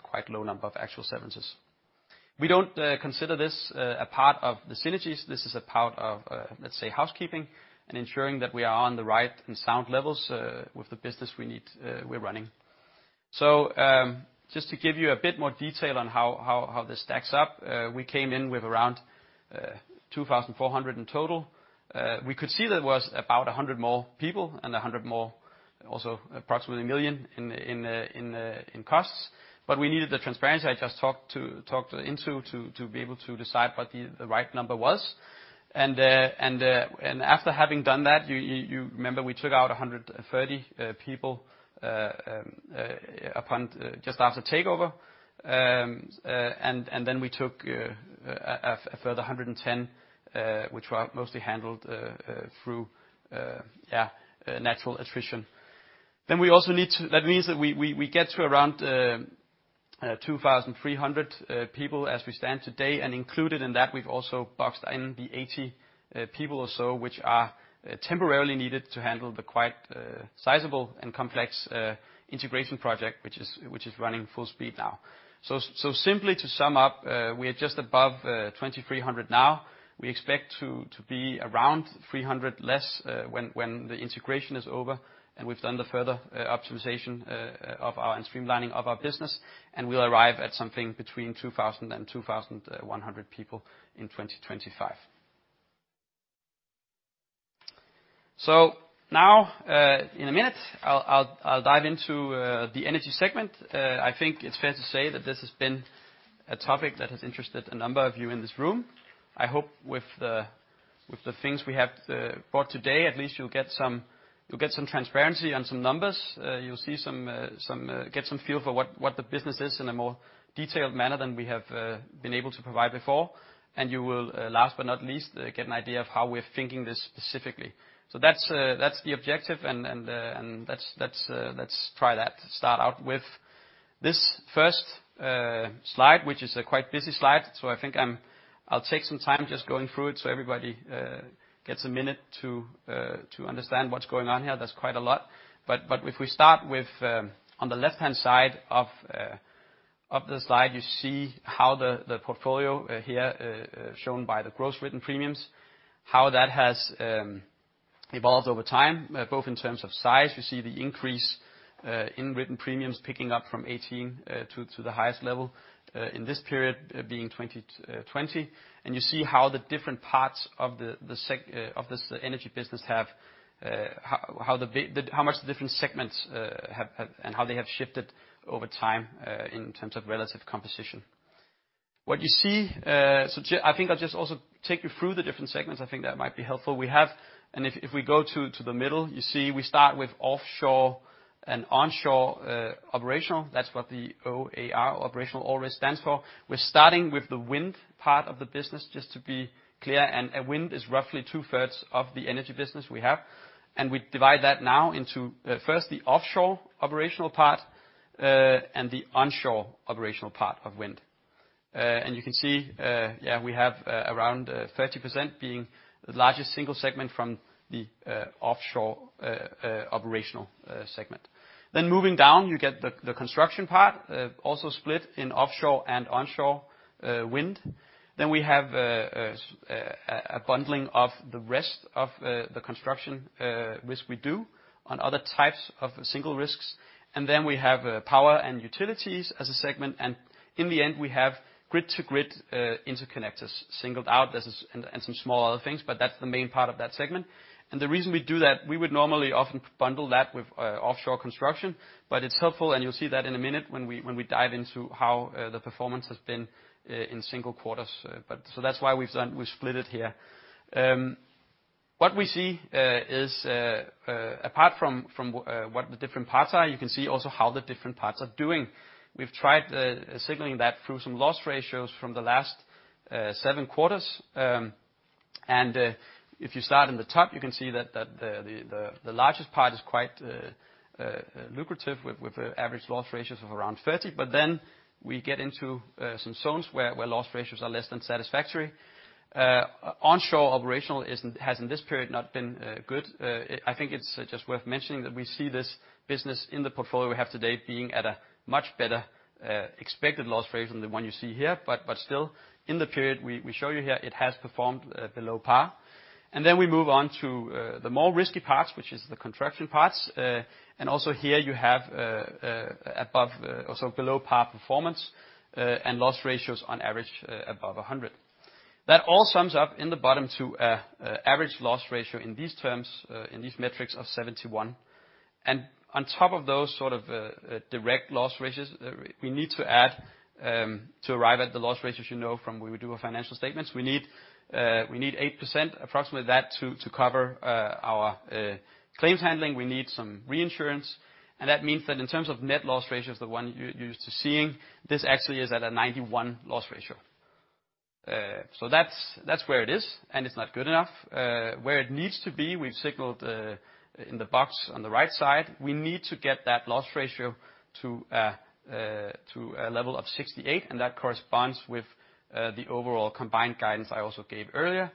quite low number of actual severances. We don't consider this a part of the synergies. This is a part of, let's say, housekeeping and ensuring that we are on the right and sound levels with the business we need, we're running. Just to give you a bit more detail on how this stacks up. We came in with around 2,400 in total. We could see there was about 100 more people and 100 more, also approximately 1 million in costs. We needed the transparency I just talked into to be able to decide what the right number was. After having done that, you remember we took out 130 people upon just after takeover. Then we took a further 110, which were mostly handled through, yeah, natural attrition. We also need to. That means that we get to around 2,300 people as we stand today. Included in that, we've also boxed in the 80 people or so which are temporarily needed to handle the quite sizable and complex integration project which is running full speed now. Simply to sum up, we are just above 2,300 now. We expect to be around 300 less when the integration is over, and we've done the further optimization of our... and streamlining of our business, and we'll arrive at something between 2,000 and 2,100 people in 2025. now, in a minute, I'll dive into the energy segment. I think it's fair to say that this has been a topic that has interested a number of you in this room. I hope with the, with the things we have, brought today, at least you'll get some, you'll get some transparency on some numbers. you'll see some get some feel for what the business is in a more detailed manner than we have, been able to provide before. you will, last but not least, get an idea of how we're thinking this specifically. that's the objective, and let's try that. Start out with this first slide, which is a quite busy slide, so I think I'll take some time just going through it, so everybody gets a minute to understand what's going on here. There's quite a lot. If we start with on the left-hand side of the slide, you see how the portfolio here shown by the gross written premiums, how that has evolved over time, both in terms of size. You see the increase in written premiums picking up from 18 to the highest level in this period being 20. You see how the different parts of this energy business have, how the bit... how much the different segments have, and how they have shifted over time, in terms of relative composition. What you see, I think I'll just also take you through the different segments. I think that might be helpful. We have, if we go to the middle, you see we start with Offshore and Onshore Operational. That's what the OAR, operational, always stands for. We're starting with the wind part of the business, just to be clear, and wind is roughly two-thirds of the energy business we have. We divide that now into first the Offshore Operational part, and the Onshore Operational part of wind. You can see, yeah, we have around 30% being the largest single segment from the Offshore Operational segment. Moving down, you get the construction part, also split in offshore and onshore wind. We have a bundling of the rest of the construction, which we do on other types of single risks. We have power and utilities as a segment, and in the end, we have grid-to-grid interconnectors singled out. This is and some small other things, but that's the main part of that segment. The reason we do that, we would normally often bundle that with offshore construction, but it's helpful, and you'll see that in a minute when we, when we dive into how the performance has been in single quarters. That's why we've split it here. What we see is apart from what the different parts are, you can see also how the different parts are doing. We've tried signaling that through some loss ratios from the last seven quarters. If you start in the top, you can see that the largest part is quite lucrative with average loss ratios of around 30%. We get into some zones where loss ratios are less than satisfactory. Onshore operational has in this period not been good. I think it's just worth mentioning that we see this business in the portfolio we have today being at a much better expected loss ratio than the one you see here. Still, in the period we show you here, it has performed below par. We move on to the more risky parts, which is the construction parts. Also here you have above, also below par performance and loss ratios on average above 100. That all sums up in the bottom to average loss ratio in these terms, in these metrics of 71. On top of those sort of direct loss ratios, we need to add to arrive at the loss ratios you know from when we do our financial statements. We need 8%, approximately that to cover our claims handling. We need some reinsurance. That means that in terms of net loss ratios, the one you're used to seeing, this actually is at a 91 loss ratio. That's, that's where it is, and it's not good enough. Where it needs to be, we've signaled in the box on the right side. We need to get that loss ratio to a level of 68, and that corresponds with the overall combined guidance I also gave earlier.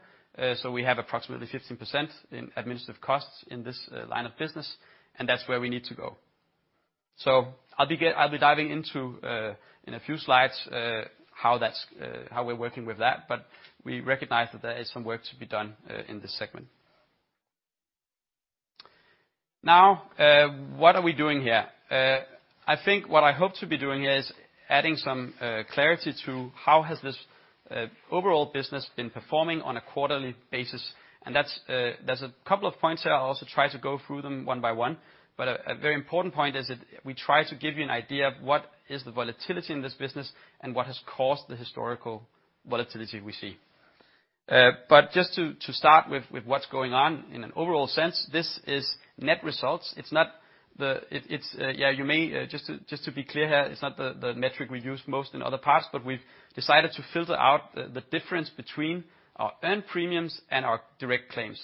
We have approximately 15% in administrative costs in this line of business, and that's where we need to go. I'll be diving into in a few slides how that's how we're working with that, but we recognize that there is some work to be done in this segment. What are we doing here? I think what I hope to be doing here is adding some clarity to how has this overall business been performing on a quarterly basis. That's there's a couple of points here. I'll also try to go through them one by one. A very important point is that we try to give you an idea of what is the volatility in this business and what has caused the historical volatility we see. Just to start with what's going on in an overall sense, this is net results. It's not the... It's, yeah, you may, just to be clear here, it's not the metric we use most in other parts, but we've decided to filter out the difference between our earned premiums and our direct claims.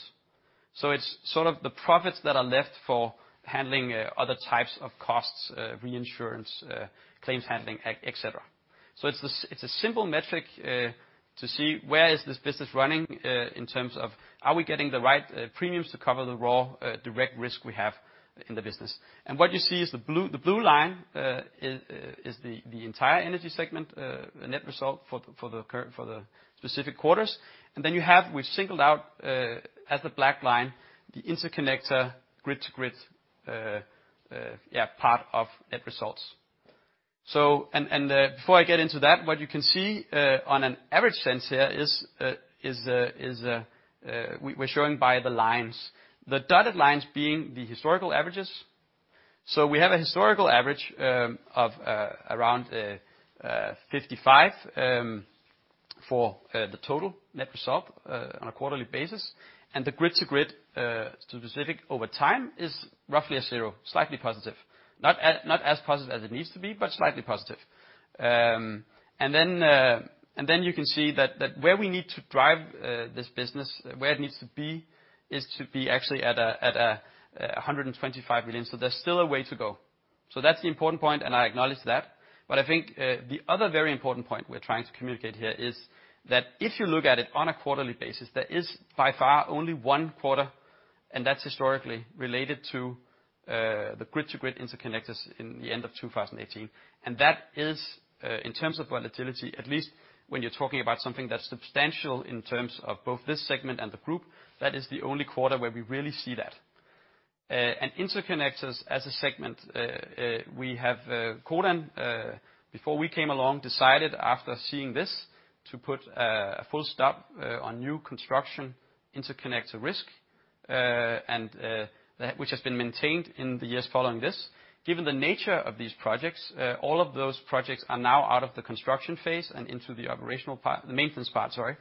It's sort of the profits that are left for handling other types of costs, reinsurance, claims handling, et cetera. It's a simple metric to see where is this business running in terms of are we getting the right premiums to cover the raw direct risk we have in the business. What you see is the blue line is the entire energy segment net result for the current, for the specific quarters. We've singled out as the black line, the interconnector grid to grid, yeah, part of net results. Before I get into that, what you can see on an average sense here is we're showing by the lines. The dotted lines being the historical averages. We have a historical average of around 55 for the total net result on a quarterly basis. The grid to grid specific over time is roughly a zero, slightly positive. Not as positive as it needs to be, but slightly positive. Then you can see that where we need to drive this business, where it needs to be, is to be actually at 125 million. There's still a way to go. That's the important point, and I acknowledge that. I think the other very important point we're trying to communicate here is that if you look at it on a quarterly basis, there is by far only one quarter, and that's historically related to the grid interconnectors in the end of 2018. That is, in terms of volatility, at least when you're talking about something that's substantial in terms of both this segment and the group, that is the only quarter where we really see that. Interconnectors as a segment, we have Codan, before we came along, decided after seeing this to put a full stop on new construction interconnector risk, and which has been maintained in the years following this. Given the nature of these projects, all of those projects are now out of the construction phase and into the operational part, the maintenance part, sorry.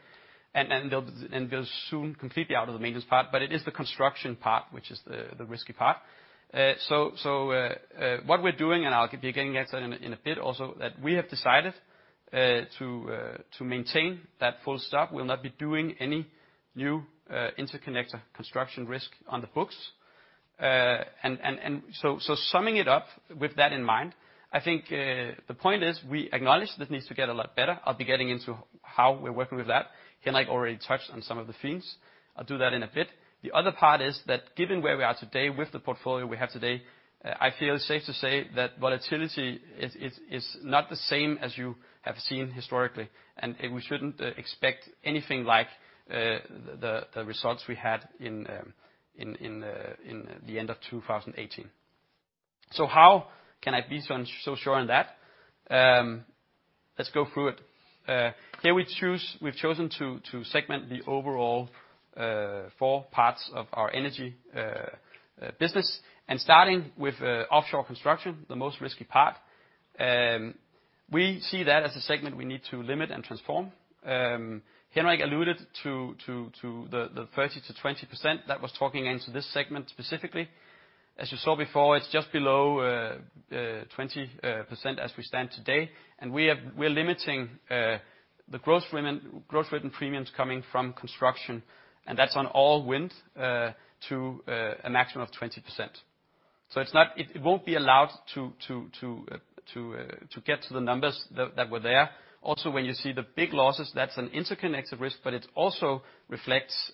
They'll soon completely out of the maintenance part, but it is the construction part, which is the risky part. What we're doing, and I'll be getting into that in a bit also, that we have decided to maintain that full stop. We'll not be doing any new interconnector construction risk on the books. Summing it up with that in mind, I think the point is we acknowledge that it needs to get a lot better. I'll be getting into how we're working with that. Henrik already touched on some of the themes. I'll do that in a bit. The other part is that given where we are today with the portfolio we have today, I feel safe to say that volatility is not the same as you have seen historically, and we shouldn't expect anything like the results we had in the end of 2018. How can I be so sure on that? Let's go through it. Here we've chosen to segment the overall four parts of our energy business. Starting with offshore construction, the most risky part, we see that as a segment we need to limit and transform. Henrik alluded to the 30%-20%. That was talking into this segment specifically. As you saw before, it's just below 20% as we stand today. We're limiting the growth remaining premiums coming from construction, and that's on all wind, to a maximum of 20%. It won't be allowed to get to the numbers that were there. Also, when you see the big losses, that's an interconnected risk, but it also reflects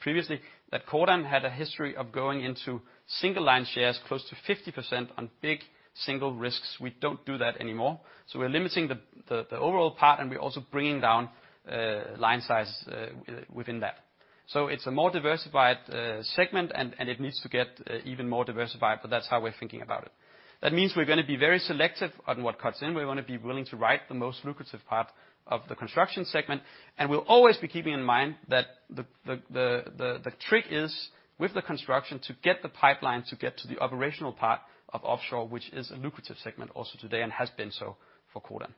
previously that Codan had a history of going into single line shares close to 50% on big single risks. We don't do that anymore. We're limiting the overall part, and we're also bringing down line size within that. It's a more diversified segment and it needs to get even more diversified, but that's how we're thinking about it. That means we're gonna be very selective on what cuts in. We wanna be willing to write the most lucrative part of the construction segment, and we'll always be keeping in mind that the trick is, with the construction, to get the pipeline to get to the operational part of offshore, which is a lucrative segment also today and has been so for Codan.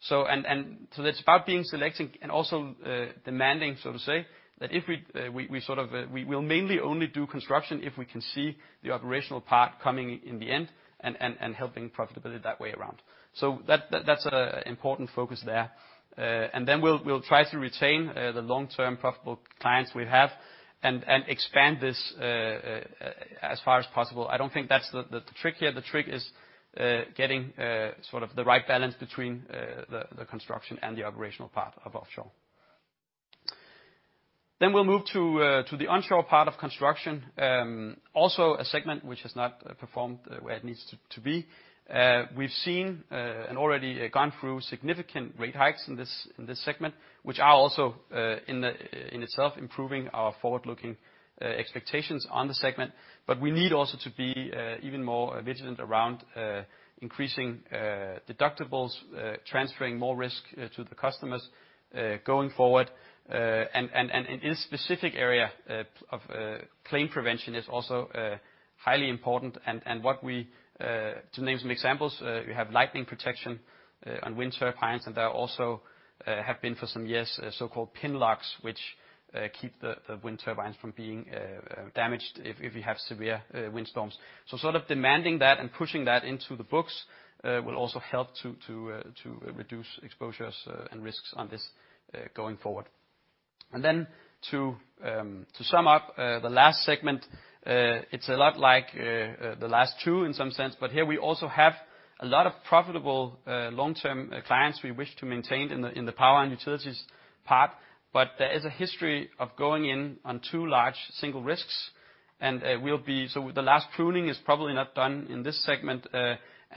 It's about being selective and also demanding, so to say, that if we sort of, we will mainly only do construction if we can see the operational part coming in the end and helping profitability that way around. That's an important focus there. Then we'll try to retain the long-term profitable clients we have and expand this as far as possible. I don't think that's the trick here. The trick is, getting sort of the right balance between the construction and the operational part of offshore. Then we'll move to the onshore part of construction. Also a segment which has not performed the way it needs to be. We've seen and already gone through significant rate hikes in this, in this segment, which are also in the, in itself improving our forward-looking expectations on the segment. We need also to be even more vigilant around increasing deductibles, transferring more risk to the customers going forward. In this specific area of claim prevention is also highly important and what we... To name some examples, we have lightning protection on wind turbines, and there also have been for some years, so-called pin locks, which keep the wind turbines from being damaged if you have severe windstorms. Sort of demanding that and pushing that into the books will also help to reduce exposures and risks on this going forward. Then to sum up the last segment, it's a lot like the last two in some sense, but here we also have a lot of profitable, long-term clients we wish to maintain in the power and utilities part. There is a history of going in on two large single risks, and the last pruning is probably not done in this segment.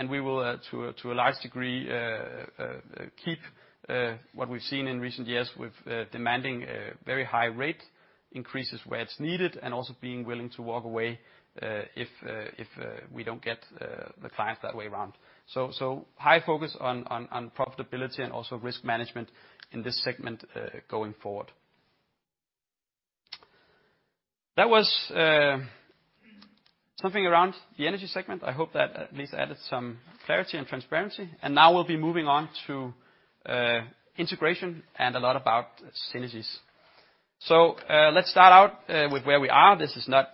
We will to a large degree keep what we've seen in recent years with demanding very high rate increases where it's needed, and also being willing to walk away if if we don't get the clients that way around. High focus on profitability and also risk management in this segment going forward. That was something around the energy segment. I hope that at least added some clarity and transparency. Now we'll be moving on to integration and a lot about synergies. Let's start out with where we are. This is not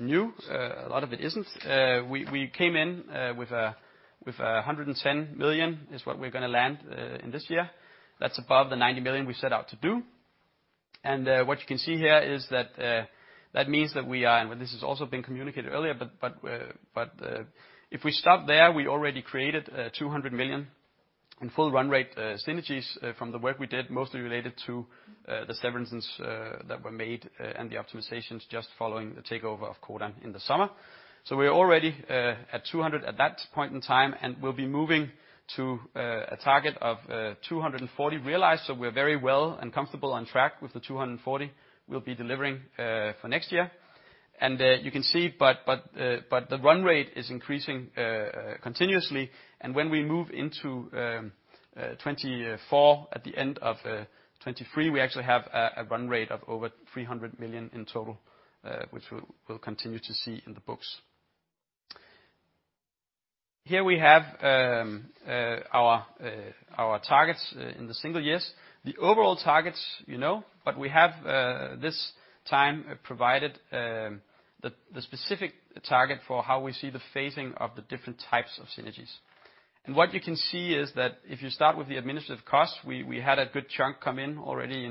new. A lot of it isn't. We came in with a with 110 million, is what we're gonna land in this year. That's above the 90 million we set out to do. What you can see here is that that means that we are, and this has also been communicated earlier, but if we stop there, we already created 200 million in full run rate synergies from the work we did, mostly related to the severances that were made and the optimizations just following the takeover of Codan in the summer. We're already at 200 at that point in time, and we'll be moving to a target of 240 realized. We're very well and comfortable on track with the 240 we'll be delivering for next year. You can see, but the run rate is increasing continuously. When we move into 2024 at the end of 2023, we actually have a run rate of over 300 million in total, which we'll continue to see in the books. Here we have our targets in the single years. The overall targets, you know, but we have this time provided the specific target for how we see the phasing of the different types of synergies. What you can see is that if you start with the administrative costs, we had a good chunk come in already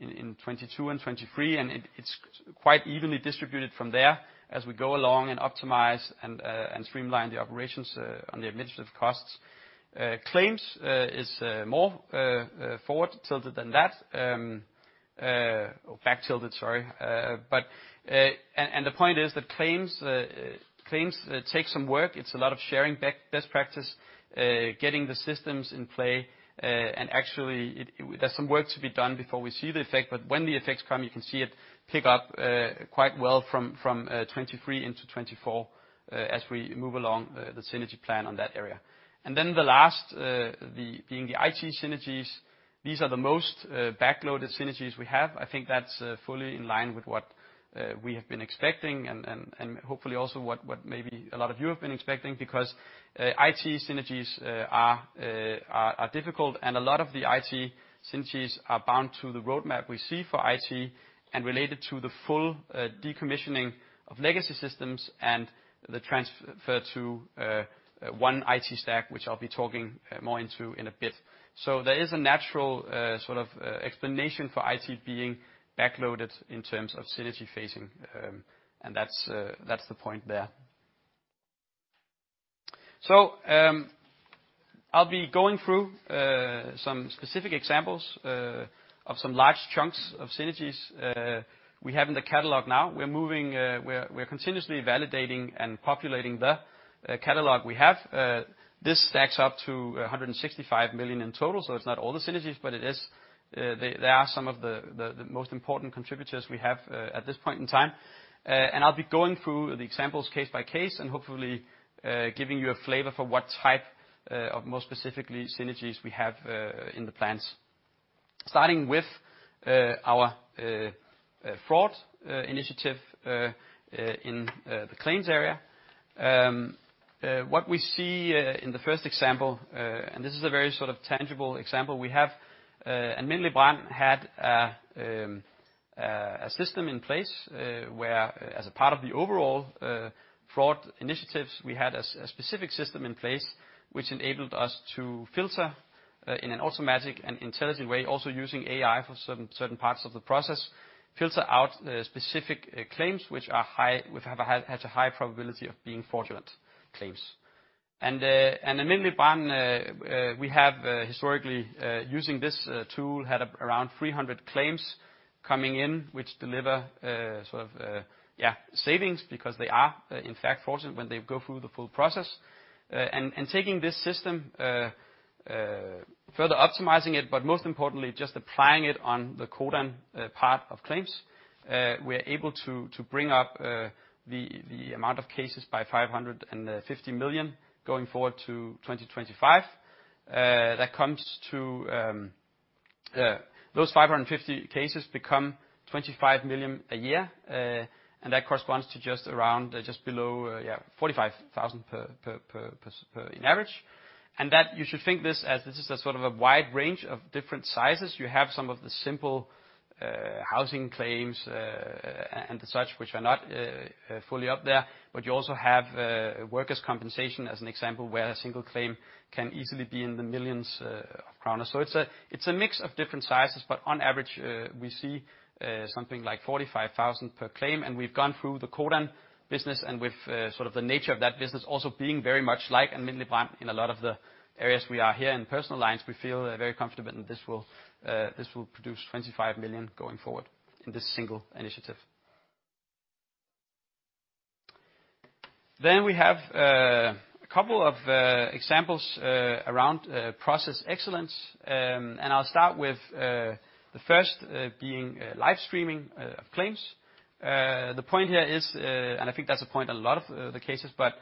in 2022 and 2023, and it's quite evenly distributed from there as we go along and optimize and streamline the operations on the administrative costs. Claims is more forward tilted than that, or back tilted, sorry. The point is that claims take some work. It's a lot of sharing back best practice, getting the systems in play, and actually there's some work to be done before we see the effect. When the effects come, you can see it pick up quite well from 2023 into 2024, as we move along the synergy plan on that area. The last, the, being the IT synergies, these are the most backloaded synergies we have. I think that's fully in line with what we have been expecting and hopefully also what maybe a lot of you have been expecting, because IT synergies are difficult and a lot of the IT synergies are bound to the roadmap we see for IT and related to the full decommissioning of legacy systems and the transfer to one IT stack, which I'll be talking more into in a bit. There is a natural sort of explanation for IT being backloaded in terms of synergy phasing. That's the point there. I'll be going through some specific examples of some large chunks of synergies we have in the catalog now. We're moving, we are continuously validating and populating the catalog we have. This stacks up to 165 million in total. It's not all the synergies, but it is, they are some of the most important contributors we have at this point in time. I'll be going through the examples case by case and hopefully giving you a flavor for what type of more specifically synergies we have in the plans. Starting with our fraud initiative in the claims area. What we see in the first example, this is a very sort of tangible example we have, Alm. Brand had a system in place where as a part of the overall fraud initiatives, we had a specific system in place which enabled us to filter in an automatic and intelligent way, also using AI for certain parts of the process, filter out specific claims which are high, which have a high, has a high probability of being fraudulent claims. Alm. Brand, we have historically using this tool had around 300 claims coming in which deliver sort of, yeah, savings because they are in fact fraudulent when they go through the full process. Taking this system further optimizing it, but most importantly, just applying it on the Codan part of claims, we are able to bring up the amount of cases by 550 million going forward to 2025. That comes to those 550 cases become 25 million a year, and that corresponds to just around, just below, yeah, 45,000 per in average. That you should think this as this is a sort of a wide range of different sizes. You have some of the simple housing claims, and the such which are not fully up there. You also have workers' compensation as an example, where a single claim can easily be in the millions of kroner. It's a, it's a mix of different sizes. But on average, we see something like 45,000 per claim. We've gone through the Codan business and with sort of the nature of that business also being very much like Alm. Brand in a lot of the areas we are here in personal lines, we feel very confident that this will produce 25 million going forward in this single initiative. We have a couple of examples around process excellence. And I'll start with the first being live streaming of claims. The point here is, and I think that's a point in a lot of the cases, but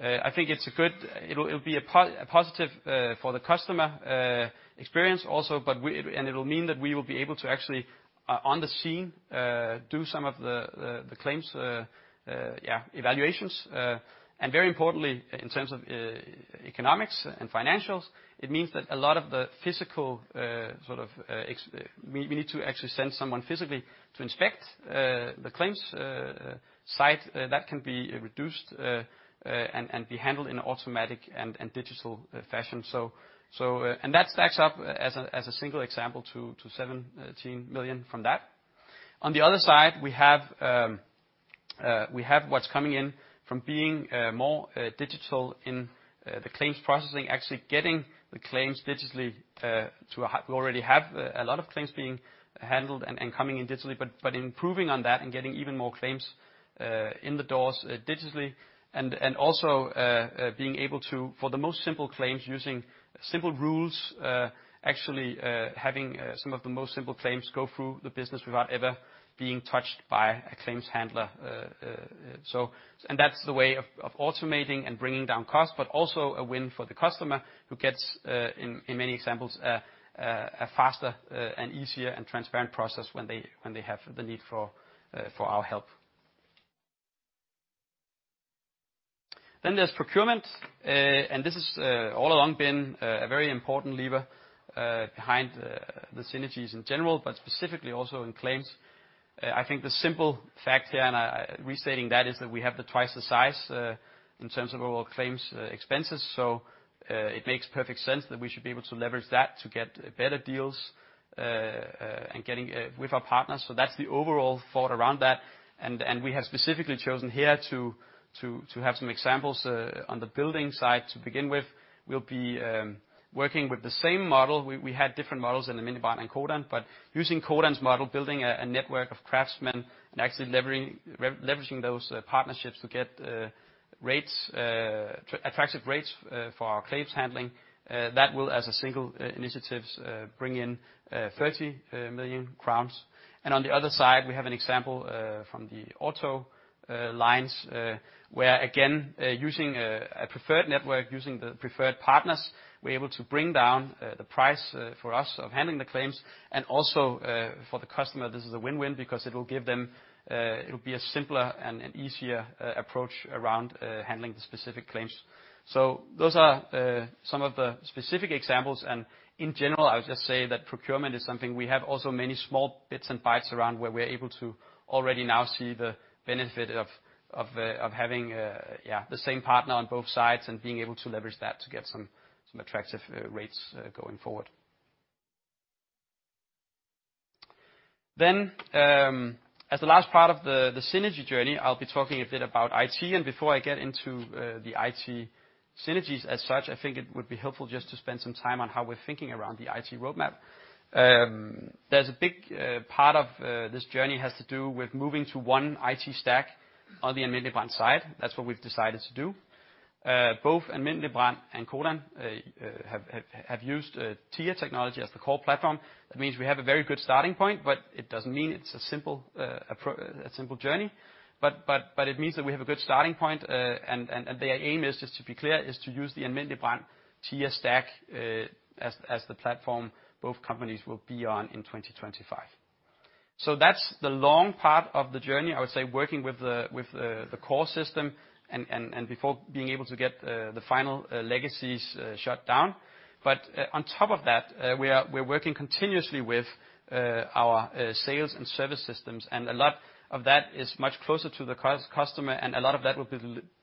I think it's a good, it'll be a positive for the customer experience also, and it will mean that we will be able to actually on the scene do some of the claims evaluations. Very importantly, in terms of economics and financials, it means that a lot of the physical sort of, we need to actually send someone physically to inspect the claims site that can be reduced and be handled in an automatic and digital fashion. That stacks up as a single example to 17 million from that. On the other side, we have what's coming in from being more digital in the claims processing, actually getting the claims digitally. We already have a lot of claims being handled and coming in digitally, but improving on that and getting even more claims in the doors digitally and also being able to, for the most simple claims, using simple rules, actually having some of the most simple claims go through the business without ever being touched by a claims handler. That's the way of automating and bringing down costs, but also a win for the customer who gets in many examples a faster and easier and transparent process when they have the need for our help. There's procurement, and this has all along been a very important lever behind the synergies in general, but specifically also in claims. I think the simple fact here, and I restating that, is that we have the twice the size in terms of our claims expenses. It makes perfect sense that we should be able to leverage that to get better deals and getting with our partners. That's the overall thought around that. We have specifically chosen here to have some examples on the building side to begin with. We'll be working with the same model. We had different models in Alm. Brand and Codan, but using Codan's model, building a network of craftsmen and actually leveraging those partnerships to get rates, attractive rates, for our claims handling, that will, as a single initiative, bring in 30 million crowns. On the other side, we have an example from the auto lines, where again, using a preferred network, using the preferred partners, we're able to bring down the price for us of handling the claims. Also, for the customer, this is a win-win because it will give them a simpler and easier approach around handling the specific claims. Those are some of the specific examples. In general, I would just say that procurement is something we have also many small bits and bytes around where we are able to already now see the benefit of having, yeah, the same partner on both sides and being able to leverage that to get some attractive rates going forward. As the last part of the synergy journey, I'll be talking a bit about IT. Before I get into the IT synergies as such, I think it would be helpful just to spend some time on how we're thinking around the IT roadmap. There's a big part of this journey has to do with moving to one IT stack on the Alm. Brand side. That's what we've decided to do. Both Alm. Brand and Codan have used Tia Technology as the core platform. That means we have a very good starting point, but it doesn't mean it's a simple, a simple journey. It means that we have a good starting point. The aim is, just to be clear, is to use the Alm. Brand Tia stack as the platform both companies will be on in 2025. That's the long part of the journey, I would say, working with the core system and before being able to get the final legacies shut down. On top of that, we're working continuously with our sales and service systems, and a lot of that is much closer to the customer, and a lot of that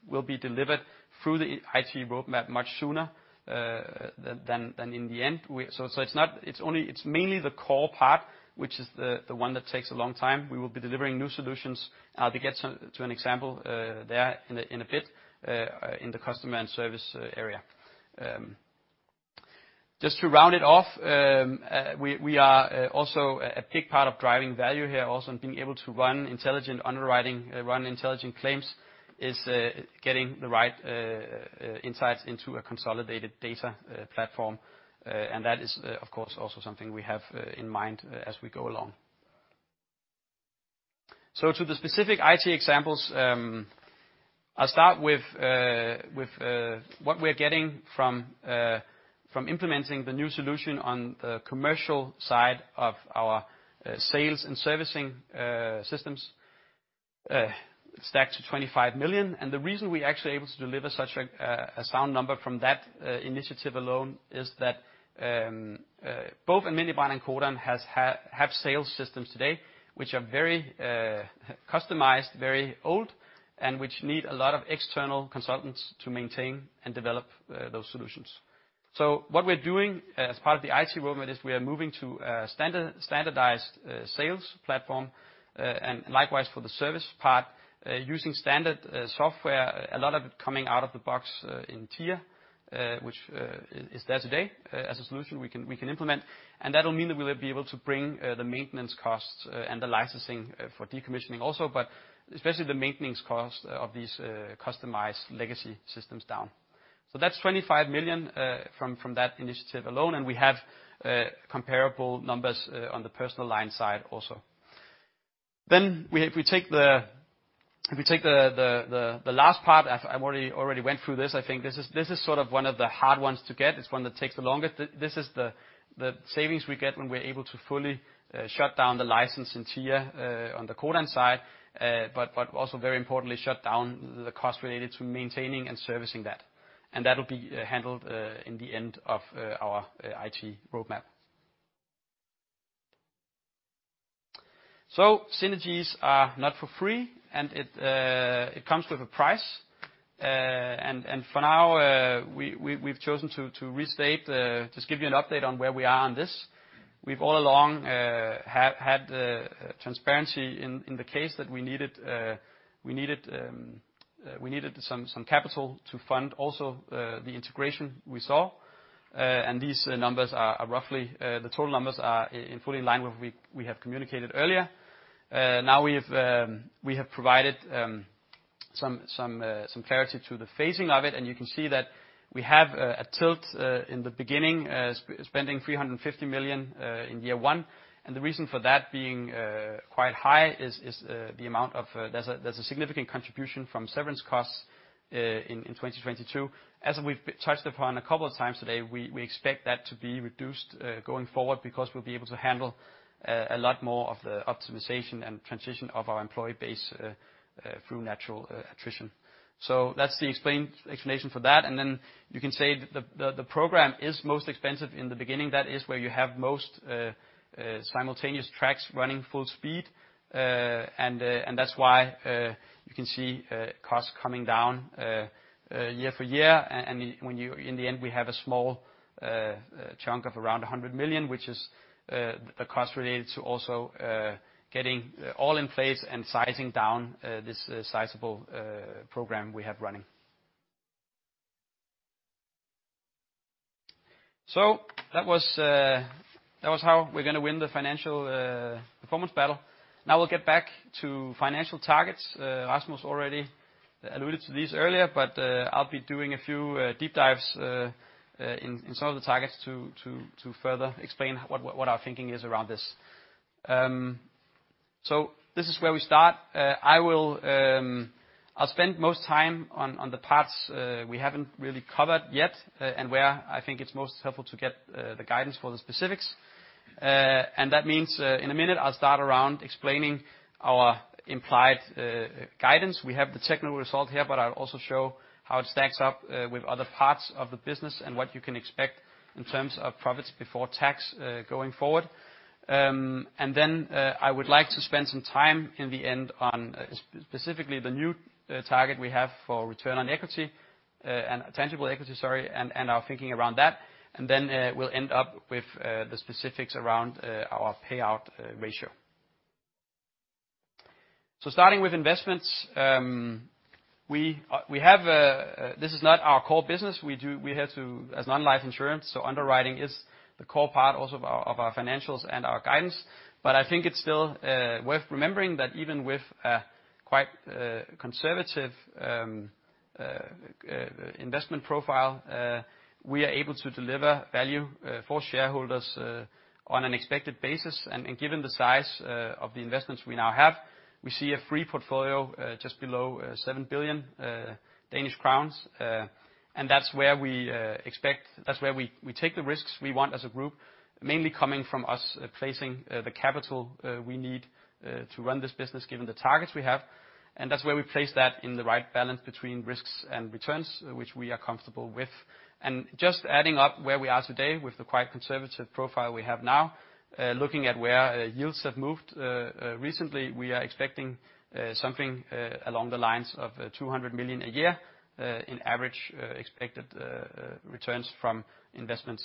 will be delivered through the IT roadmap much sooner than in the end. It's not, it's only, it's mainly the core part, which is the one that takes a long time. We will be delivering new solutions. I'll be get some, to an example, there in a bit in the customer and service area. Just to round it off, we are also a big part of driving value here also and being able to run intelligent underwriting, run intelligent claims is getting the right insights into a consolidated data platform. That is, of course also something we have in mind as we go along. To the specific IT examples, I'll start with what we're getting from implementing the new solution on the commercial side of our sales and servicing systems, stacked to 25 million. The reason we're actually able to deliver such a sound number from that initiative alone is that both Alm. Brand and Codan have sales systems today which are very customized, very old, and which need a lot of external consultants to maintain and develop those solutions. What we're doing as part of the IT roadmap is we are moving to a standardized sales platform and likewise for the service part using standard software, a lot of it coming out of the box in Tia, which is there today as a solution we can implement. That'll mean that we'll be able to bring the maintenance costs and the licensing for decommissioning also, but especially the maintenance cost of these customized legacy systems down. That's 25 million from that initiative alone, and we have comparable numbers on the personal line side also. if we take the last part, I've already went through this, I think this is sort of one of the hard ones to get. It's one that takes the longest. this is the savings we get when we're able to fully shut down the license in Tia on the Codan side, but also very importantly, shut down the cost related to maintaining and servicing that. That'll be handled in the end of our IT roadmap. synergies are not for free, and it comes with a price. and for now, we've chosen to restate just give you an update on where we are on this. We've all along have had transparency in the case that we needed, we needed some capital to fund also the integration we saw. These numbers are roughly, the total numbers are in fully in line with we have communicated earlier. Now we've we have provided some clarity to the phasing of it, and you can see that we have a tilt in the beginning, spending 350 million in year one. The reason for that being quite high is the amount of a significant contribution from severance costs in 2022. As we've touched upon a couple of times today, we expect that to be reduced going forward because we'll be able to handle a lot more of the optimization and transition of our employee base through natural attrition. That's the explanation for that. Then you can say the program is most expensive in the beginning. That is where you have most simultaneous tracks running full speed. That's why you can see costs coming down year for year. When you in the end, we have a small chunk of around 100 million, which is the cost related to also getting all in phase and sizing down this sizable program we have running. That was how we're gonna win the financial performance battle. We'll get back to financial targets. Rasmus already alluded to these earlier, but I'll be doing a few deep dives in some of the targets to further explain what our thinking is around this. This is where we start. I'll spend most time on the parts we haven't really covered yet, and where I think it's most helpful to get the guidance for the specifics. That means, in a minute, I'll start around explaining our implied guidance. We have the technical result here. I'll also show how it stacks up with other parts of the business and what you can expect in terms of profits before tax going forward. Then I would like to spend some time in the end on specifically the new target we have for return on equity and tangible equity, sorry, and our thinking around that. Then we'll end up with the specifics around our payout ratio. Starting with investments, we have, this is not our core business. We had to as non-life insurance, so underwriting is the core part also of our, of our financials and our guidance. I think it's still worth remembering that even with a quite conservative investment profile, we are able to deliver value for shareholders on an expected basis. Given the size of the investments we now have, we see a free portfolio just below 7 billion Danish crowns. That's where we expect, that's where we take the risks we want as a group, mainly coming from us placing the capital we need to run this business given the targets we have. That's where we place that in the right balance between risks and returns, which we are comfortable with. Just adding up where we are today with the quite conservative profile we have now, looking at where yields have moved recently, we are expecting something along the lines of 200 million a year in average expected returns from investments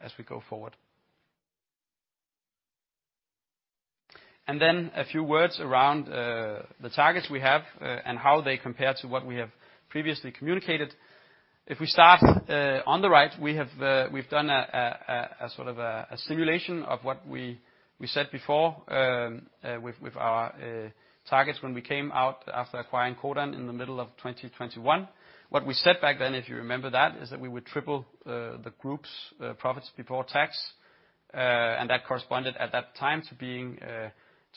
as we go forward. A few words around the targets we have and how they compare to what we have previously communicated. If we start on the right we have, we've done a sort of a simulation of what we said before, with our targets when we came out after acquiring Codan in the middle of 2021. What we said back then, if you remember that, is that we would triple the group's profits before tax, and that corresponded at that time to being,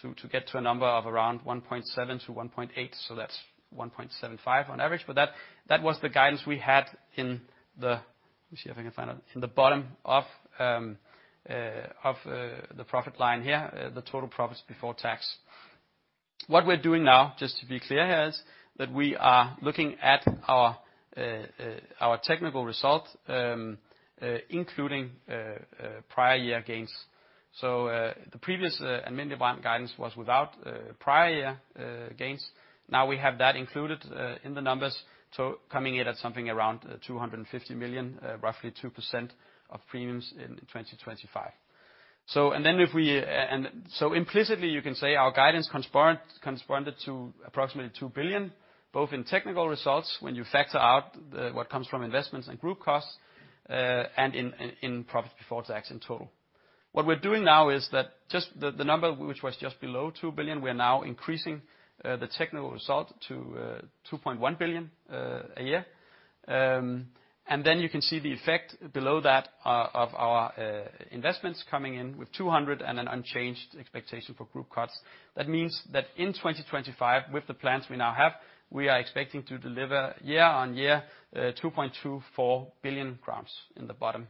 to get to a number of around 1.7 to 1.8, so that's 1.75 on average. That, that was the guidance we had in the, let me see if I can find it, in the bottom of the profit line here, the total profits before tax. What we're doing now, just to be clear here, is that we are looking at our technical result, including prior year gains. The previous amended guidance was without prior year gains. We have that included in the numbers, so coming in at something around 250 million, roughly 2% of premiums in 2025. If we implicitly you can say our guidance corresponded to approximately 2 billion, both in technical results, when you factor out the what comes from investments and group costs, and in profits before tax in total. What we're doing now is that just the number which was just below 2 billion, we are now increasing the technical result to 2.1 billion a year. Then you can see the effect below that of our investments coming in with 200 million and an unchanged expectation for group costs. That means that in 2025, with the plans we now have, we are expecting to deliver year-on-year DDK 2.24 billion in the bottom,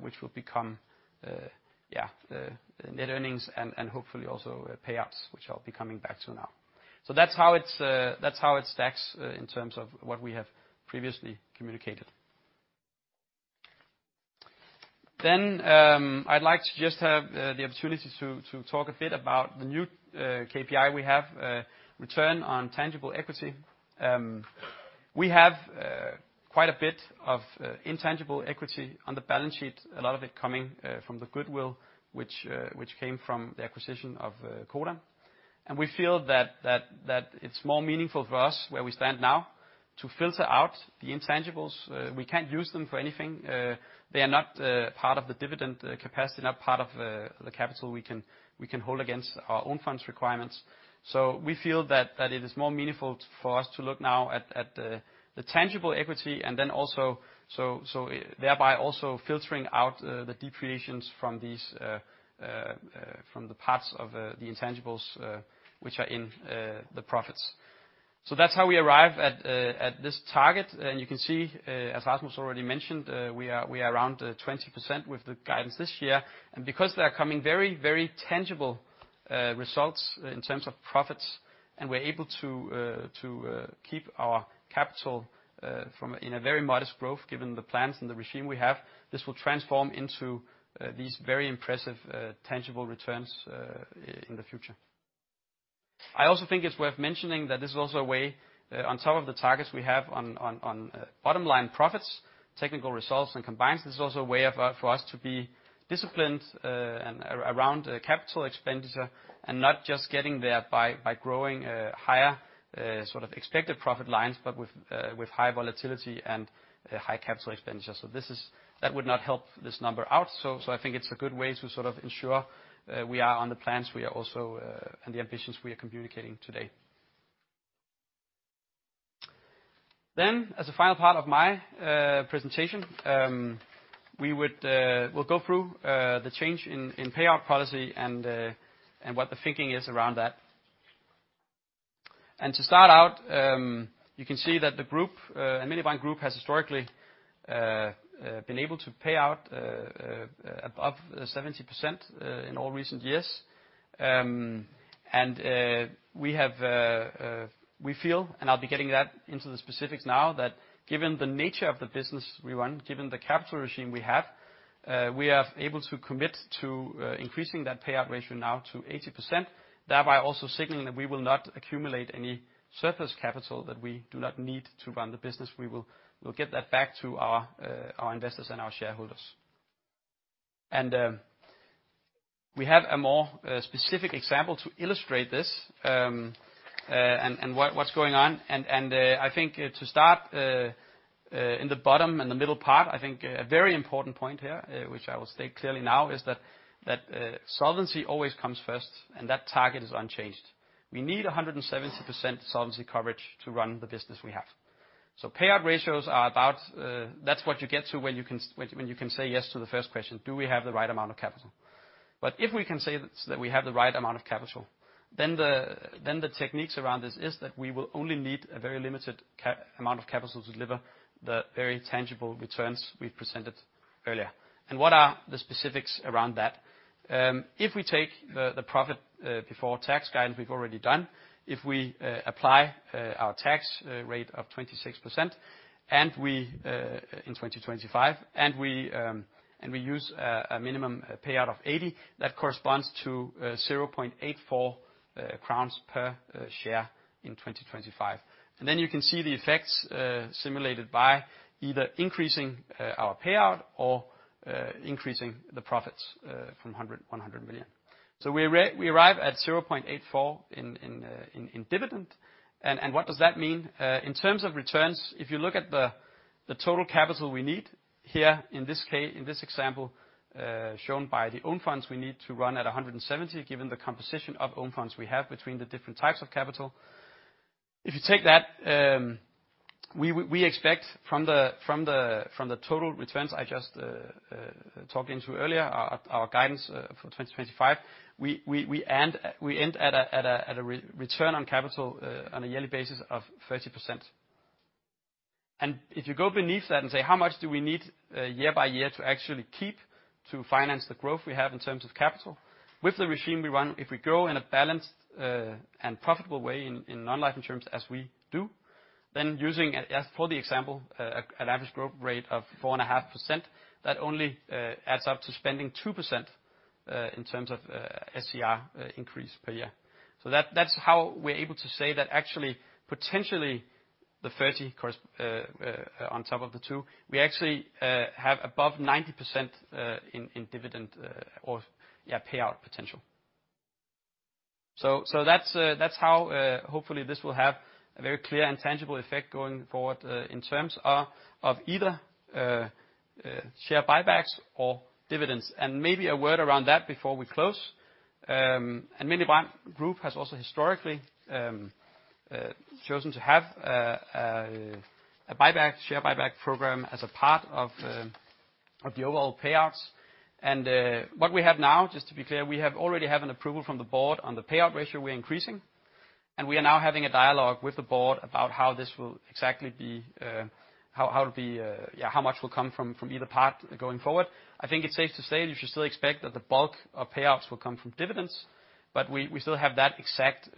which will become net earnings and hopefully also payouts, which I'll be coming back to now. That's how it stacks in terms of what we have previously communicated. I'd like to just have the opportunity to talk a bit about the new KPI we have, return on tangible equity. We have quite a bit of intangible equity on the balance sheet, a lot of it coming from the goodwill which came from the acquisition of Codan. We feel that it's more meaningful for us, where we stand now, to filter out the intangibles. We can't use them for anything. They are not part of the dividend capacity, not part of the capital we can hold against our own funds requirements. We feel that it is more meaningful for us to look now at the tangible equity and then also thereby also filtering out the depreciations from these from the parts of the intangibles which are in the profits. That's how we arrive at this target. You can see, as Rasmus already mentioned, we are around 20% with the guidance this year. Because they are coming very, very tangible results in terms of profits, and we're able to keep our capital in a very modest growth given the plans and the regime we have, this will transform into these very impressive tangible returns in the future. I also think it's worth mentioning that this is also a way on top of the targets we have on bottom line profits, technical results and combines, this is also a way of for us to be disciplined around capital expenditure and not just getting there by growing higher sort of expected profit lines, but with high volatility and high capital expenditure. That would not help this number out. I think it's a good way to sort of ensure we are on the plans we are also and the ambitions we are communicating today. As a final part of my presentation, we would we'll go through the change in payout policy and what the thinking is around that. To start out, you can see that the Nykredit Group has historically been able to pay out above 70% in all recent years. We have, we feel, and I'll be getting that into the specifics now, that given the nature of the business we run, given the capital regime we have, we are able to commit to increasing that payout ratio now to 80%, thereby also signaling that we will not accumulate any surplus capital that we do not need to run the business. We'll get that back to our investors and our shareholders. We have a more specific example to illustrate this, and what's going on. I think to start in the bottom, in the middle part, I think a very important point here, which I will state clearly now, is that solvency always comes first, and that target is unchanged. We need 170% solvency coverage to run the business we have. Payout ratios are about that's what you get to when you can say yes to the first question, do we have the right amount of capital? If we can say that we have the right amount of capital, then the techniques around this is that we will only need a very limited amount of capital to deliver the very tangible returns we presented earlier. What are the specifics around that? rofit before tax guidance we've already done, if we apply our tax rate of 26% in 2025, and we use a minimum payout of 80, that corresponds to 0.84 billion crowns per share in 2025. Then you can see the effects simulated by either increasing our payout or increasing the profits from 100 million. So we arrive at 0.84 in dividend. What does that mean? In terms of returns, if you look at the total capital we need, in this example, shown by the own funds we need to run at 170, given the composition of own funds we have between the different types of capital. If you take that, we expect from the total returns I just talked into earlier, our guidance for 2025, we end at a return on capital, on a yearly basis of 30%. If you go beneath that and say, how much do we need year by year to actually keep to finance the growth we have in terms of capital? With the regime we run, if we go in a balanced, and profitable way in non-life insurance, as we do, then using as for the example, an average growth rate of 4.5%, that only adds up to spending 2% in terms of SCR increase per year. That's how we're able to say that actually, potentially the 30 on top of the two, we actually have above 90% in dividend or, yeah, payout potential. That's how hopefully this will have a very clear and tangible effect going forward, in terms of either share buybacks or dividends. Maybe a word around that before we close. Alm. Brand Group has also historically chosen to have a share buyback program as a part of the overall payouts. What we have now, just to be clear, we already have an approval from the board on the payout ratio we're increasing, and we are now having a dialogue with the board about how this will exactly be, how it'll be, how much will come from either part going forward. I think it's safe to say that you should still expect that the bulk of payouts will come from dividends, but we still have that exact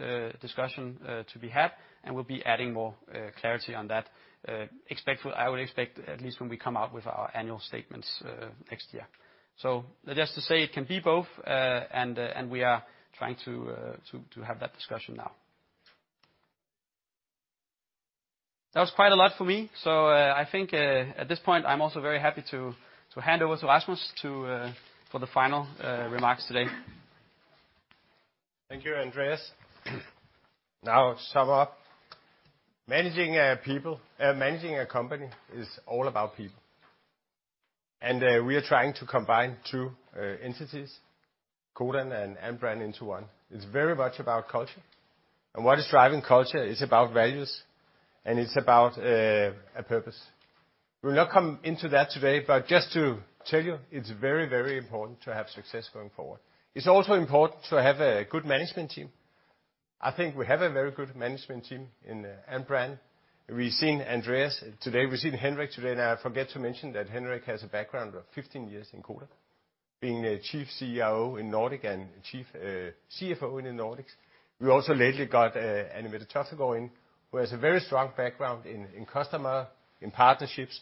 discussion to be had, and we'll be adding more clarity on that. I would expect at least when we come out with our annual statements next year. Just to say it can be both, and we are trying to have that discussion now. That was quite a lot for me. I think at this point I'm also very happy to hand over to Rasmus for the final remarks today. Thank you, Andreas. To sum up, managing people, managing a company is all about people. We are trying to combine two entities, Codan and Alm. Brand into one. It's very much about culture. What is driving culture is about values, and it's about a purpose. We'll not come into that today, but just to tell you it's very, very important to have success going forward. It's also important to have a good management team. I think we have a very good management team in Alm. Brand. We've seen Andreas today, we've seen Henrik today, and I forget to mention that Henrik has a background of 15 years in Codan, being a Chief CEO in Nordic and Chief CFO in the Nordics. We also lately got Anne Mette Toftegaard in, who has a very strong background in customer, in partnerships,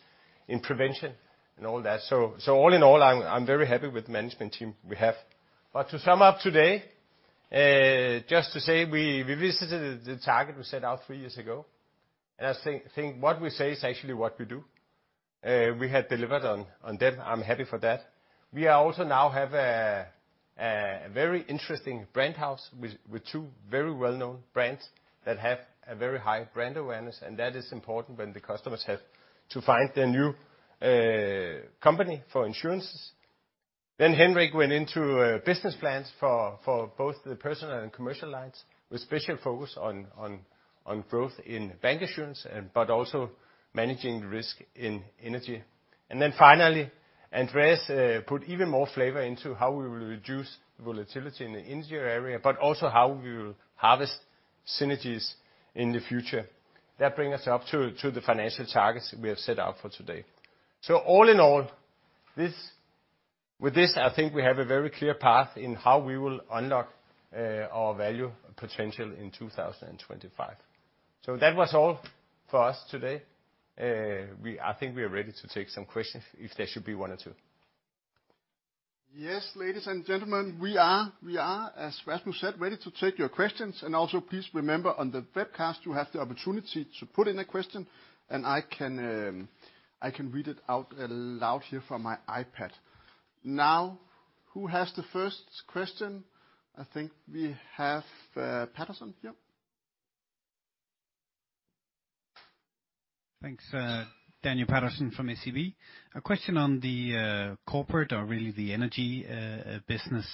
in prevention and all that. All in all, I'm very happy with the management team we have. To sum up today, just to say we visited the target we set out three years ago. I think what we say is actually what we do. We have delivered on that. I'm happy for that. We are also now have a very interesting brand house with two very well-known brands that have a very high brand awareness, and that is important when the customers have to find their new company for insurances. Henrik went into business plans for both the personal and commercial lines, with special focus on growth in bank insurance and, but also managing risk in energy. Finally, Andreas put even more flavor into how we will reduce volatility in the energy area, but also how we will harvest synergies in the future. That bring us up to the financial targets we have set out for today. All in all, this, with this, I think we have a very clear path in how we will unlock our value potential in 2025. That was all for us today. I think we are ready to take some questions if there should be one or two. Ladies and gentlemen, we are, as Rasmus said, ready to take your questions. Also please remember, on the webcast you have the opportunity to put in a question, and I can read it out loud here from my iPad. Who has the first question? I think we have Patterson, yep. Thanks. Daniel Patterson from SEB. A question on the corporate or really the energy business.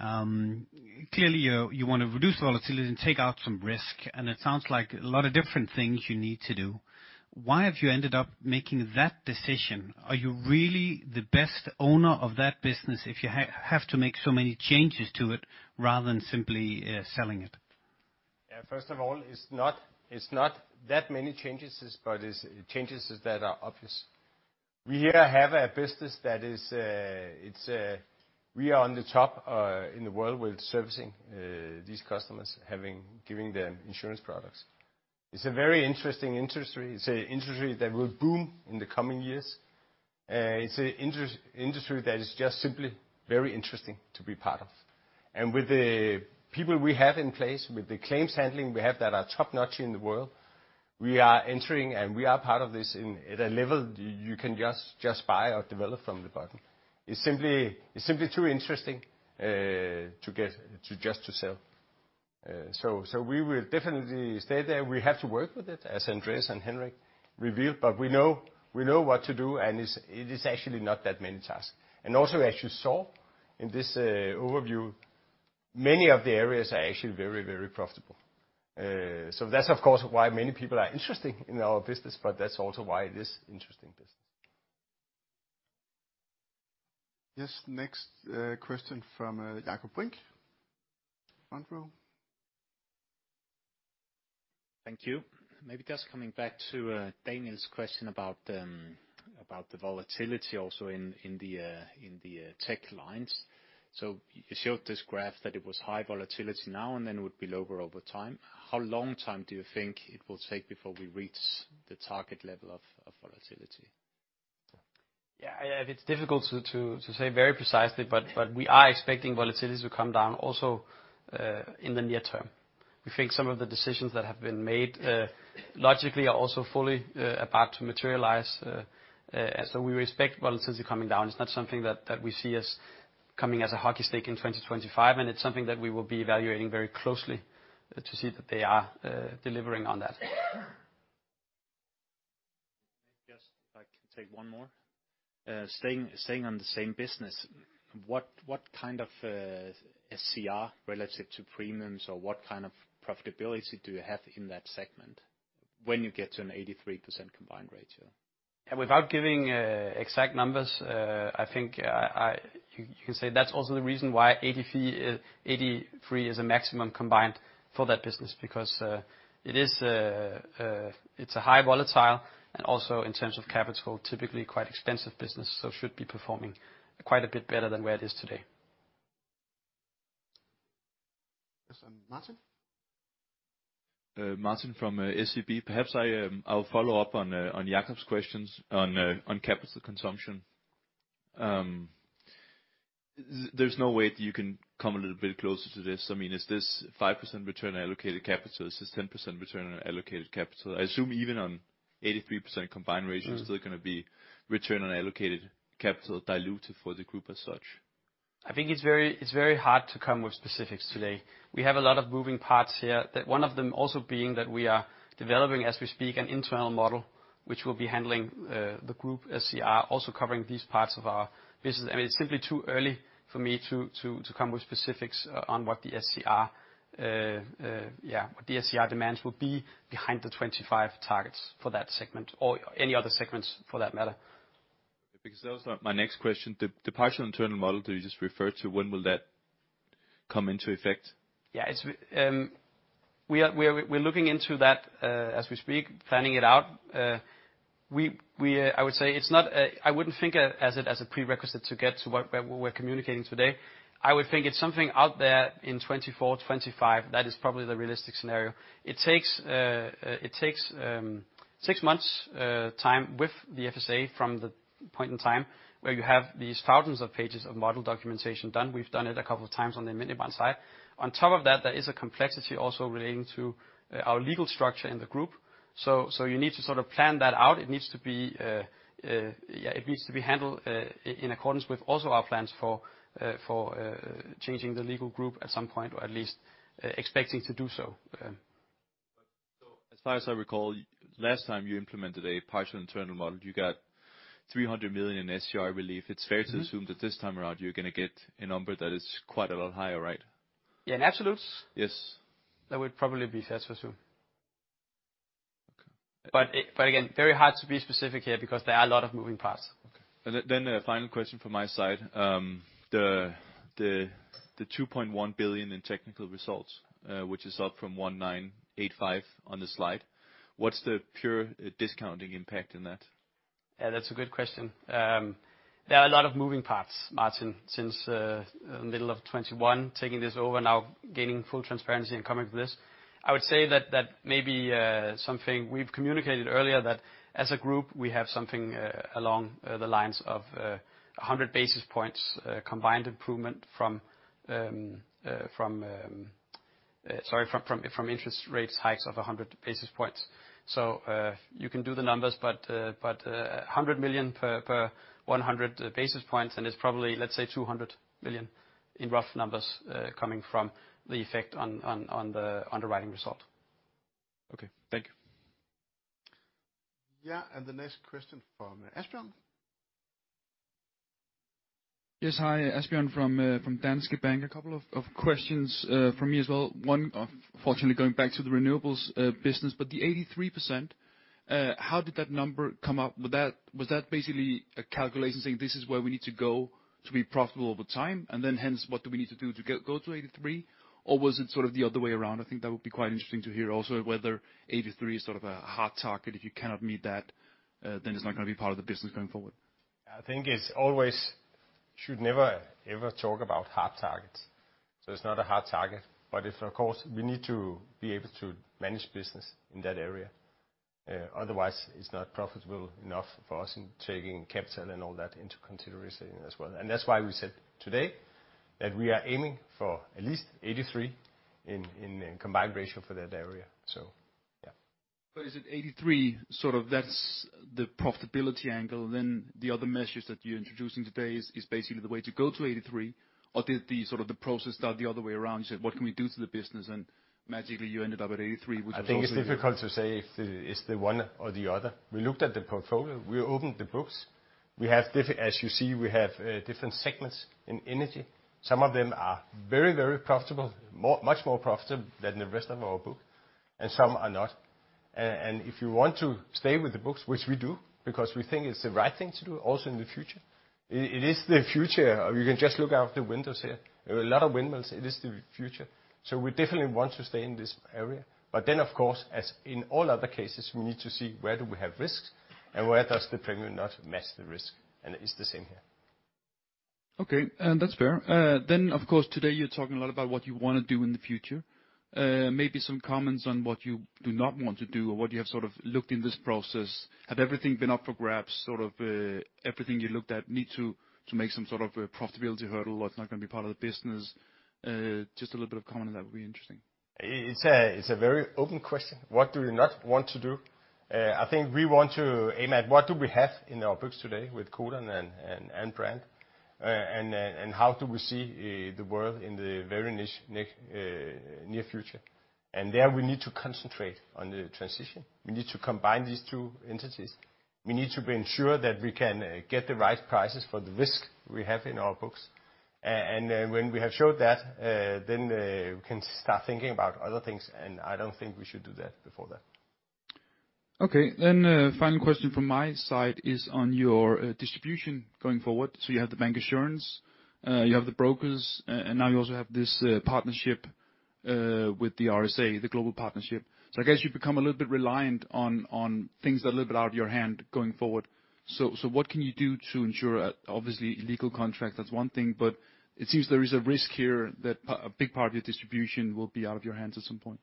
Clearly you want to reduce volatility and take out some risk, and it sounds like a lot of different things you need to do. Why have you ended up making that decision? Are you really the best owner of that business if you have to make so many changes to it rather than simply selling it? First of all, it's not that many changes. It's changes that are obvious. We here have a business that is, it's, we are on the top in the world with servicing these customers, having giving them insurance products. It's a very interesting industry. It's a industry that will boom in the coming years. It's a industry that is just simply very interesting to be part of. With the people we have in place, with the claims handling we have that are top-notch in the world, we are entering and we are part of this in, at a level you can just buy or develop from the bottom. It's simply too interesting to get to just to sell. We will definitely stay there. We have to work with it, as Andreas and Henrik revealed, but we know what to do, and it is actually not that many tasks. Also, as you saw in this overview, many of the areas are actually very, very profitable. That's of course, why many people are interesting in our business, but that's also why it is interesting business. Yes. Next, question from, Jakob Brink. Front row. Thank you. Maybe just coming back to Daniel's question about about the volatility also in the in the tech lines. You showed this graph that it was high volatility now and then it would be lower over time. How long time do you think it will take before we reach the target level of volatility? It's difficult to say very precisely, but we are expecting volatility to come down also in the near term. We think some of the decisions that have been made logically are also fully about to materialize. We expect volatility coming down. It's not something that we see as coming as a hockey stick in 2025, and it's something that we will be evaluating very closely to see that they are delivering on that. Just if I can take one more. Staying on the same business, what kind of SCR relative to premiums, or what kind of profitability do you have in that segment when you get to an 83% combined ratio? Without giving exact numbers, I think you can say that's also the reason why 83% is a maximum combined for that business, because it's a high volatile and also in terms of capital, typically quite expensive business. It should be performing quite a bit better than where it is today. Yes. Martin? Martin from SEB. Perhaps I will follow up on Jakob's questions on capital consumption. There's no way that you can come a little bit closer to this. I mean, is this 5% return allocated capital? Is this 10% return on allocated capital? I assume even on 83% combined ratio, still gonna be return on allocated capital diluted for the group as such. I think it's very, it's very hard to come with specifics today. We have a lot of moving parts here. That one of them also being that we are developing, as we speak, an internal model which will be handling the group SCR also covering these parts of our business. I mean, it's simply too early for me to come with specifics on what the SCR demands will be behind the 25 targets for that segment or any other segments for that matter. That was, my next question. The partial internal model that you just referred to, when will that come into effect? Yeah. It's we are looking into that as we speak, planning it out. We, I would say it's not as a prerequisite to get to what we're communicating today. I would think it's something out there in 2024, 2025. That is probably the realistic scenario. It takes six months time with the FSA from the point in time where you have these thousands of pages of model documentation done. We've done it a couple of times on the Minibank side. On top of that, there is a complexity also relating to our legal structure in the group. You need to sort of plan that out. It needs to be, yeah, it needs to be handled in accordance with also our plans for changing the legal group at some point, or at least expecting to do so. As far as I recall, last time you implemented a partial internal model, you got 300 million in SCR relief. Mm-hmm. It's fair to assume that this time around, you're gonna get a number that is quite a lot higher, right? Yeah. In absolutes? Yes. That would probably be fair to assume. Okay. But again, very hard to be specific here because there are a lot of moving parts. Okay. Then a final question from my side. The 2.1 billion in technical results, which is up from 1,985 on the slide, what's the pure discounting impact in that? Yeah, that's a good question. There are a lot of moving parts, Martin, since middle of 2021, taking this over now, gaining full transparency and coming to this. I would say that maybe something we've communicated earlier, that as a group, we have something along the lines of 100 basis points combined improvement from interest rates hikes of 100 basis points. You can do the numbers, but 100 million per 100 basis points, and it's probably, let's say 200 million in rough numbers, coming from the effect on the underwriting result. Okay. Thank you. Yeah. The next question from Asbjørn. Yes. Hi. Asbjørn from Danske Bank. A couple of questions from me as well. One, fortunately going back to the renewables business, but the 83%, how did that number come up? Was that basically a calculation saying, "This is where we need to go to be profitable over time, and then hence, what do we need to do to go to 83?" Or was it sort of the other way around? I think that would be quite interesting to hear. Whether 83 is sort of a hard target. If you cannot meet that, then it's not gonna be part of the business going forward. I think it's always. Should never, ever talk about hard targets. It's not a hard target, but it's of course we need to be able to manage business in that area. Otherwise, it's not profitable enough for us in taking capital and all that into consideration as well. That's why we said today that we are aiming for at least 83% in the combined ratio for that area, so yeah. Is it 83, sort of that's the profitability angle, then the other measures that you're introducing today is basically the way to go to 83? Or did the sort of the process start the other way around, you said, "What can we do to the business?" And magically you ended up at 83, which is also? I think it's difficult to say if it's the one or the other. We looked at the portfolio, we opened the books. We have, as you see, we have different segments in energy. Some of them are very, very profitable, much more profitable than the rest of our book, and some are not. If you want to stay with the books, which we do, because we think it's the right thing to do also in the future. It is the future. You can just look out the windows here. There are a lot of windmills, it is the future. We definitely want to stay in this area. Of course, as in all other cases, we need to see where do we have risks and where does the premium not match the risk, and it's the same here. That's fair. Of course, today you're talking a lot about what you wanna do in the future. Maybe some comments on what you do not want to do or what you have sort of looked in this process. Had everything been up for grabs, sort of, everything you looked at need to make some sort of a profitability hurdle or it's not gonna be part of the business? Just a little bit of comment on that would be interesting. It's a very open question. What do we not want to do? I think we want to aim at what do we have in our books today with Codan and Brand. How do we see the world in the very near future. There we need to concentrate on the transition. We need to combine these two entities. We need to ensure that we can get the right prices for the risk we have in our books. When we have showed that, then we can start thinking about other things, and I don't think we should do that before that. Okay. Final question from my side is on your distribution going forward. You have the bancassurance, you have the brokers, and now you also have this partnership with the RSA, the global partnership. I guess you've become a little bit reliant on things that are a little bit out of your hand going forward. What can you do to ensure, obviously legal contract, that's one thing, but it seems there is a risk here that a big part of your distribution will be out of your hands at some point.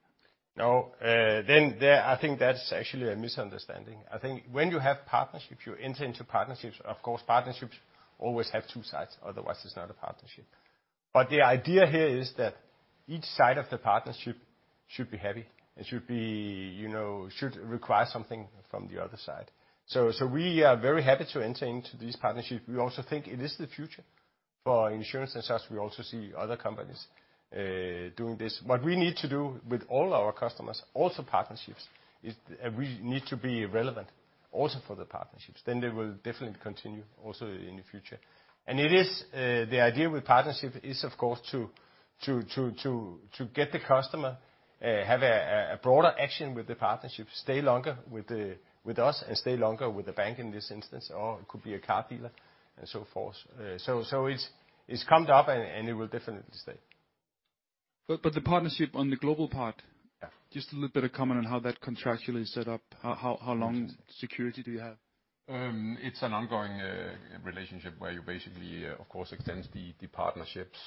Then there I think that's actually a misunderstanding. I think when you have partnerships, you enter into partnerships, of course, partnerships always have two sides, otherwise it's not a partnership. The idea here is that each side of the partnership should be happy and should be, you know, should require something from the other side. We are very happy to enter into these partnerships. We also think it is the future for insurance as such. We also see other companies doing this. What we need to do with all our customers, also partnerships, is we need to be relevant also for the partnerships, then they will definitely continue also in the future. It is the idea with partnership is of course to get the customer, have a broader action with the partnership, stay longer with us and stay longer with the bank in this instance, or it could be a car dealer and so forth. So it's come up and it will definitely stay. The partnership on the global part. Yeah. Just a little bit of comment on how that contractually is set up. How long security do you have? It's an ongoing relationship where you basically, of course, extends the partnerships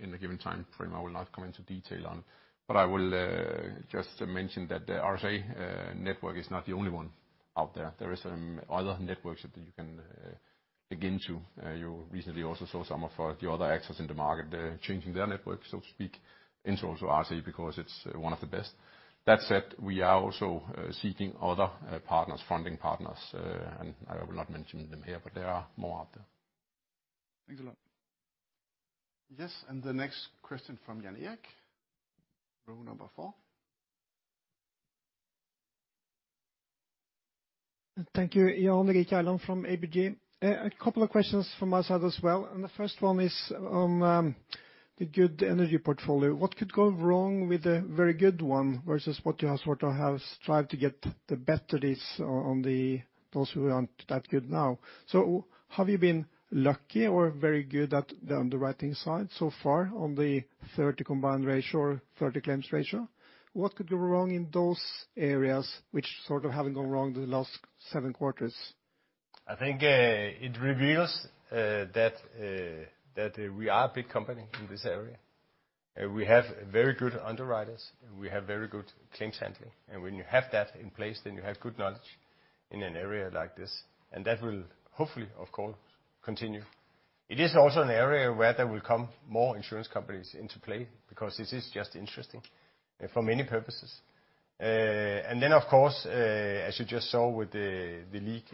in a given timeframe. I will not come into detail on. I will just mention that the RSA network is not the only one out there. There is other networks that you can dig into. You recently also saw some of the other actors in the market, they're changing their network, so to speak, into also RSA because it's one of the best. That said, we are also seeking other partners, funding partners, and I will not mention them here, but there are more out there. Thanks a lot. Yes, the next question from Jan Erik, row number four. Thank you. Jan Erik Gjerland from ABG. A couple of questions from my side as well. The first one is on the good energy portfolio. What could go wrong with a very good one versus what you have sort of have strived to get the better deals on those who aren't that good now? Have you been lucky or very good at the underwriting side so far on the 30 combined ratio or 30 claims ratio? What could go wrong in those areas which sort of haven't gone wrong the last seven quarters? I think it reveals that we are a big company in this area. We have very good underwriters, and we have very good claims handling. When you have that in place, then you have good knowledge in an area like this. That will hopefully, of course, continue. It is also an area where there will come more insurance companies into play because this is just interesting for many purposes. Then of course, as you just saw with the leak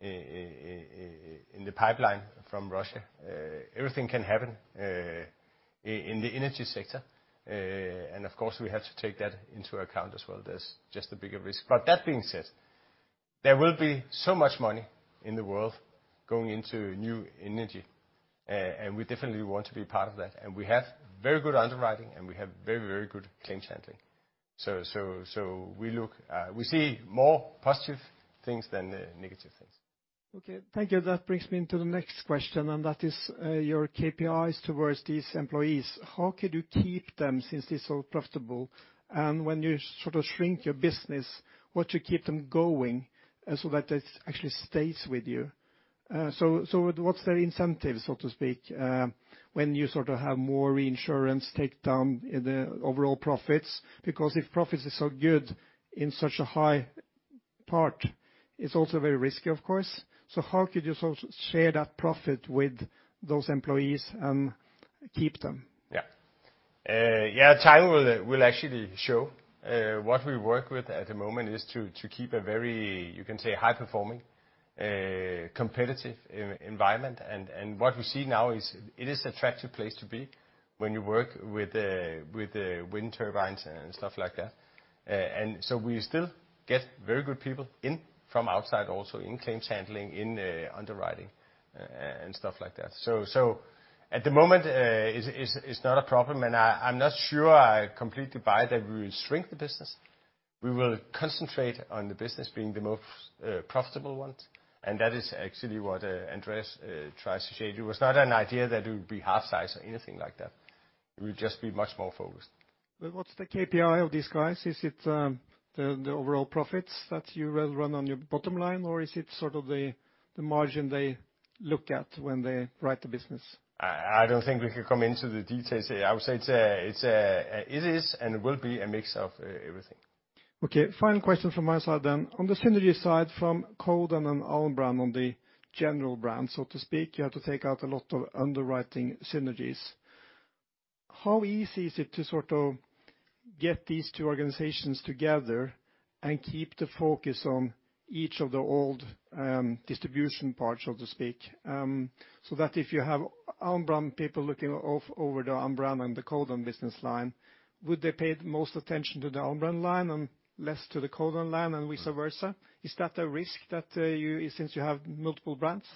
in the pipeline from Russia, everything can happen in the energy sector. Of course, we have to take that into account as well. There's just a bigger risk. That being said, there will be so much money in the world going into new energy, and we definitely want to be part of that. We have very good underwriting, and we have very good claims handling. We look, we see more positive things than negative things. Okay. Thank you. That brings me into the next question, and that is, your KPIs towards these employees. How could you keep them since it's so profitable? When you sort of shrink your business, what should keep them going so that it actually stays with you? So what's their incentive, so to speak, when you sort of have more insurance take down the overall profits? Because if profits are so good in such a high part, it's also very risky, of course. So how could you sort of share that profit with those employees and keep them? Yeah. Yeah, time will actually show. What we work with at the moment is to keep a very, you can say, high performing, competitive environment. What we see now is it is attractive place to be when you work with wind turbines and stuff like that. We still get very good people in from outside also in claims handling, in underwriting, and stuff like that. At the moment, it's not a problem, and I'm not sure I completely buy that we will shrink the business. We will concentrate on the business being the most profitable one, and that is actually what Andreas tries to show you. It's not an idea that it will be half size or anything like that. It will just be much more focused. What's the KPI of these guys? Is it, the overall profits that you rather run on your bottom line, or is it sort of the margin they look at when they write the business? I don't think we can come into the details. I would say it's, it is and will be a mix of everything. Final question from my side then. On the synergy side from Codan and Alm. Brand on the general brand, so to speak, you have to take out a lot of underwriting synergies. How easy is it to sort of get these two organizations together and keep the focus on each of the old, distribution parts, so to speak? If you have Alm. Brand people looking off over the Alm. Brand and the Codan business line, would they pay most attention to the Alm. Brand line and less to the Codan line, and vice versa? Is that a risk that you since you have multiple brands,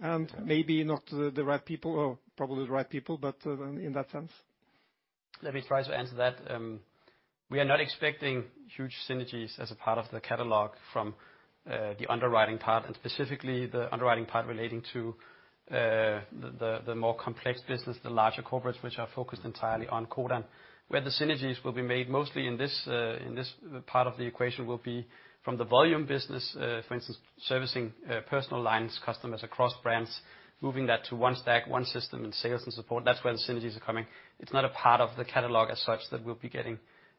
and maybe not the right people or probably the right people, but in that sense? Let me try to answer that. We are not expecting huge synergies as a part of the catalog from the underwriting part, and specifically the underwriting part relating to the more complex business, the larger corporates which are focused entirely on Codan. Where the synergies will be made mostly in this in this part of the equation will be from the volume business, for instance, servicing personal alliance customers across brands, moving that to one stack, one system in sales and support. That's where the synergies are coming. It's not a part of the catalog as such that we'll be getting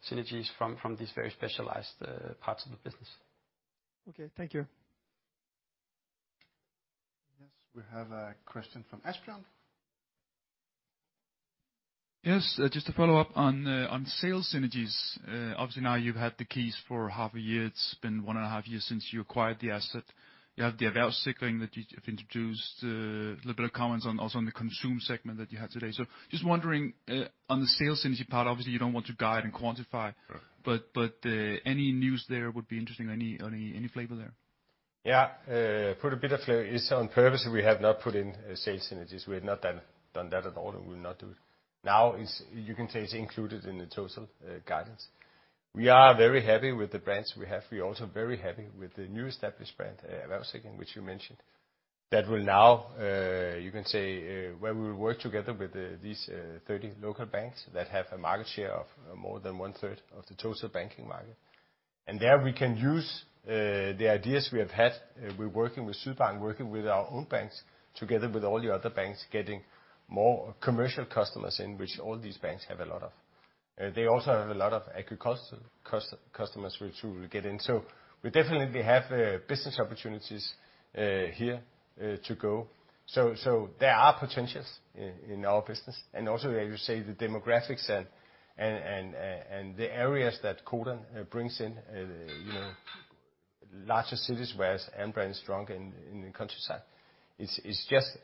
synergies from these very specialized parts of the business. Okay, thank you. Yes, we have a question from Asbjørn. Just to follow up on sales synergies. Obviously now you've had the keys for half a year. It's been one and a half years since you acquired the asset. You have the Privatsikring that you have introduced, a little bit of comments on, also on the consume segment that you had today. Just wondering on the sales synergy part, obviously you don't want to guide and quantify- Right. Any news there would be interesting. Any flavor there? Yeah, put a bit of flavor. It's on purpose that we have not put in sales synergies. We have not done that at all, and we will not do it. Now, you can say it's included in the total guidance. We are very happy with the brands we have. We're also very happy with the new established brand, Privatsikring, which you mentioned. That will now, you can say, where we will work together with these 30 local banks that have a market share of more than 1/3 of the total banking market. There we can use the ideas we have had. We're working with Sydbank, working with our own banks, together with all the other banks, getting more commercial customers in which all these banks have a lot of. They also have a lot of agricultural customers which we will get in. We definitely have business opportunities here to go. There are potentials in our business. Also, as you say, the demographics and the areas that Codan brings in, you know, larger cities, whereas Alm. Brand is strong in the countryside. It's just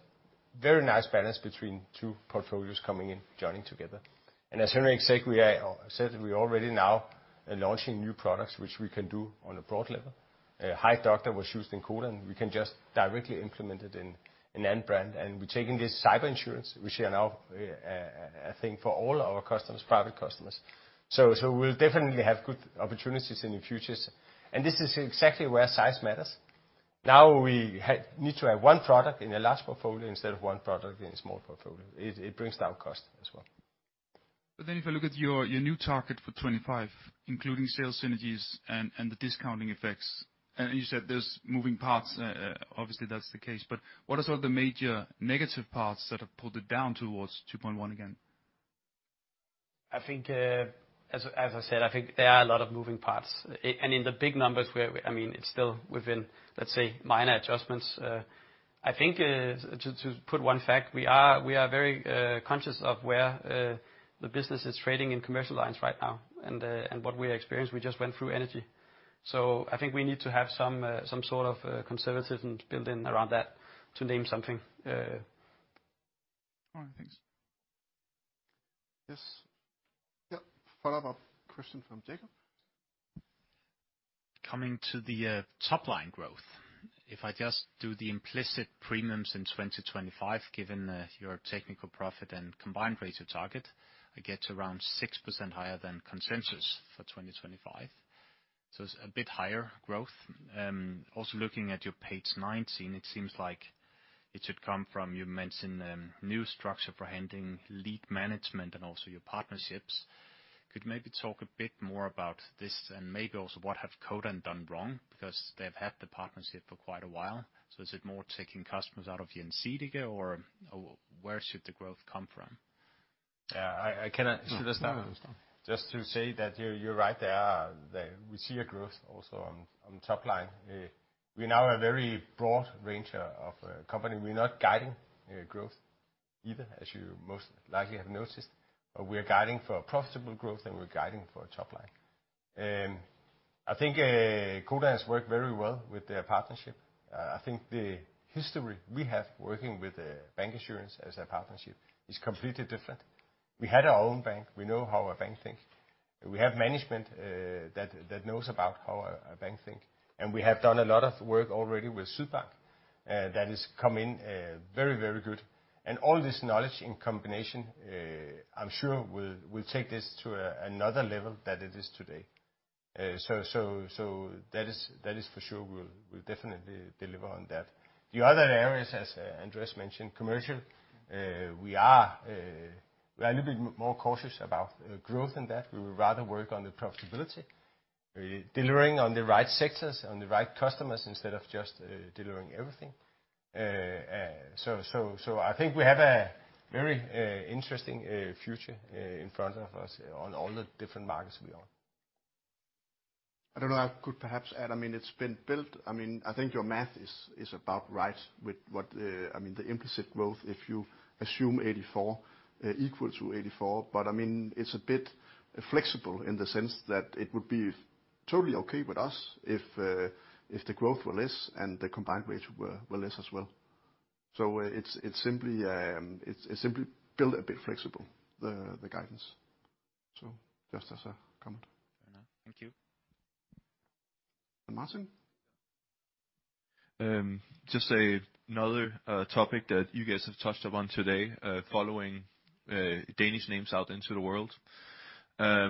very nice balance between two portfolios coming in, joining together. As Henrik said, we are already now launching new products which we can do on a broad level. Hejdoktor was used in Codan. We can just directly implement it in Alm. Brand. We're taking this cyber insurance, which are now a thing for all our customers, private customers. We'll definitely have good opportunities in the futures. This is exactly where size matters. Now we need to have one product in a large portfolio instead of one product in a small portfolio. It brings down cost as well. If I look at your new target for 2025, including sales synergies and the discounting effects, and you said there's moving parts, obviously that's the case, but what are some of the major negative parts that have pulled it down towards 2.1 again? I think, as I said, I think there are a lot of moving parts. And in the big numbers, we're, I mean, it's still within, let's say, minor adjustments. I think, to put one fact, we are very conscious of where the business is trading in commercial lines right now and what we experienced. We just went through energy. I think we need to have some sort of conservatism built in around that to name something. All right, thanks. Yes. Yep. Follow-up question from Jakob. Coming to the top line growth, if I just do the implicit premiums in 2025, given your technical profit and combined ratio target, I get around 6% higher than consensus for 2025. It's a bit higher growth. Also looking at your page 19, it seems like. It should come from, you mentioned, new structure for handling lead management and also your partnerships. Could you maybe talk a bit more about this and maybe also what have Codan done wrong, because they've had the partnership for quite a while? Is it more taking customers out of Gjensidige, or where should the growth come from? Yeah, I can start. No, no. Just to say that you're right, that we see a growth also on the top line. We now have very broad range of company. We're not guiding growth either, as you most likely have noticed. We are guiding for profitable growth, and we're guiding for top line. I think Codan has worked very well with their partnership. I think the history we have working with bank insurance as a partnership is completely different. We had our own bank. We know how a bank thinks. We have management that knows about how a bank think, and we have done a lot of work already with Sydbank that is coming very, very good. All this knowledge in combination, I'm sure will take this to another level that it is today. That is for sure, we'll definitely deliver on that. The other areas, as Andreas mentioned, commercial, we are a little bit more cautious about growth in that we would rather work on the profitability, delivering on the right sectors, on the right customers instead of just delivering everything. I think we have a very interesting future in front of us on all the different markets we are. I don't know, I could perhaps add, I mean, it's been built. I mean, I think your math is about right with what the, I mean, the implicit growth, if you assume 84, equal to 84. I mean, it's a bit flexible in the sense that it would be totally okay with us if the growth were less and the combined ratio were less as well. It's simply built a bit flexible, the guidance. Just as a comment. Fair enough. Thank you. Martin? Just another topic that you guys have touched upon today, following Danish names out into the world. I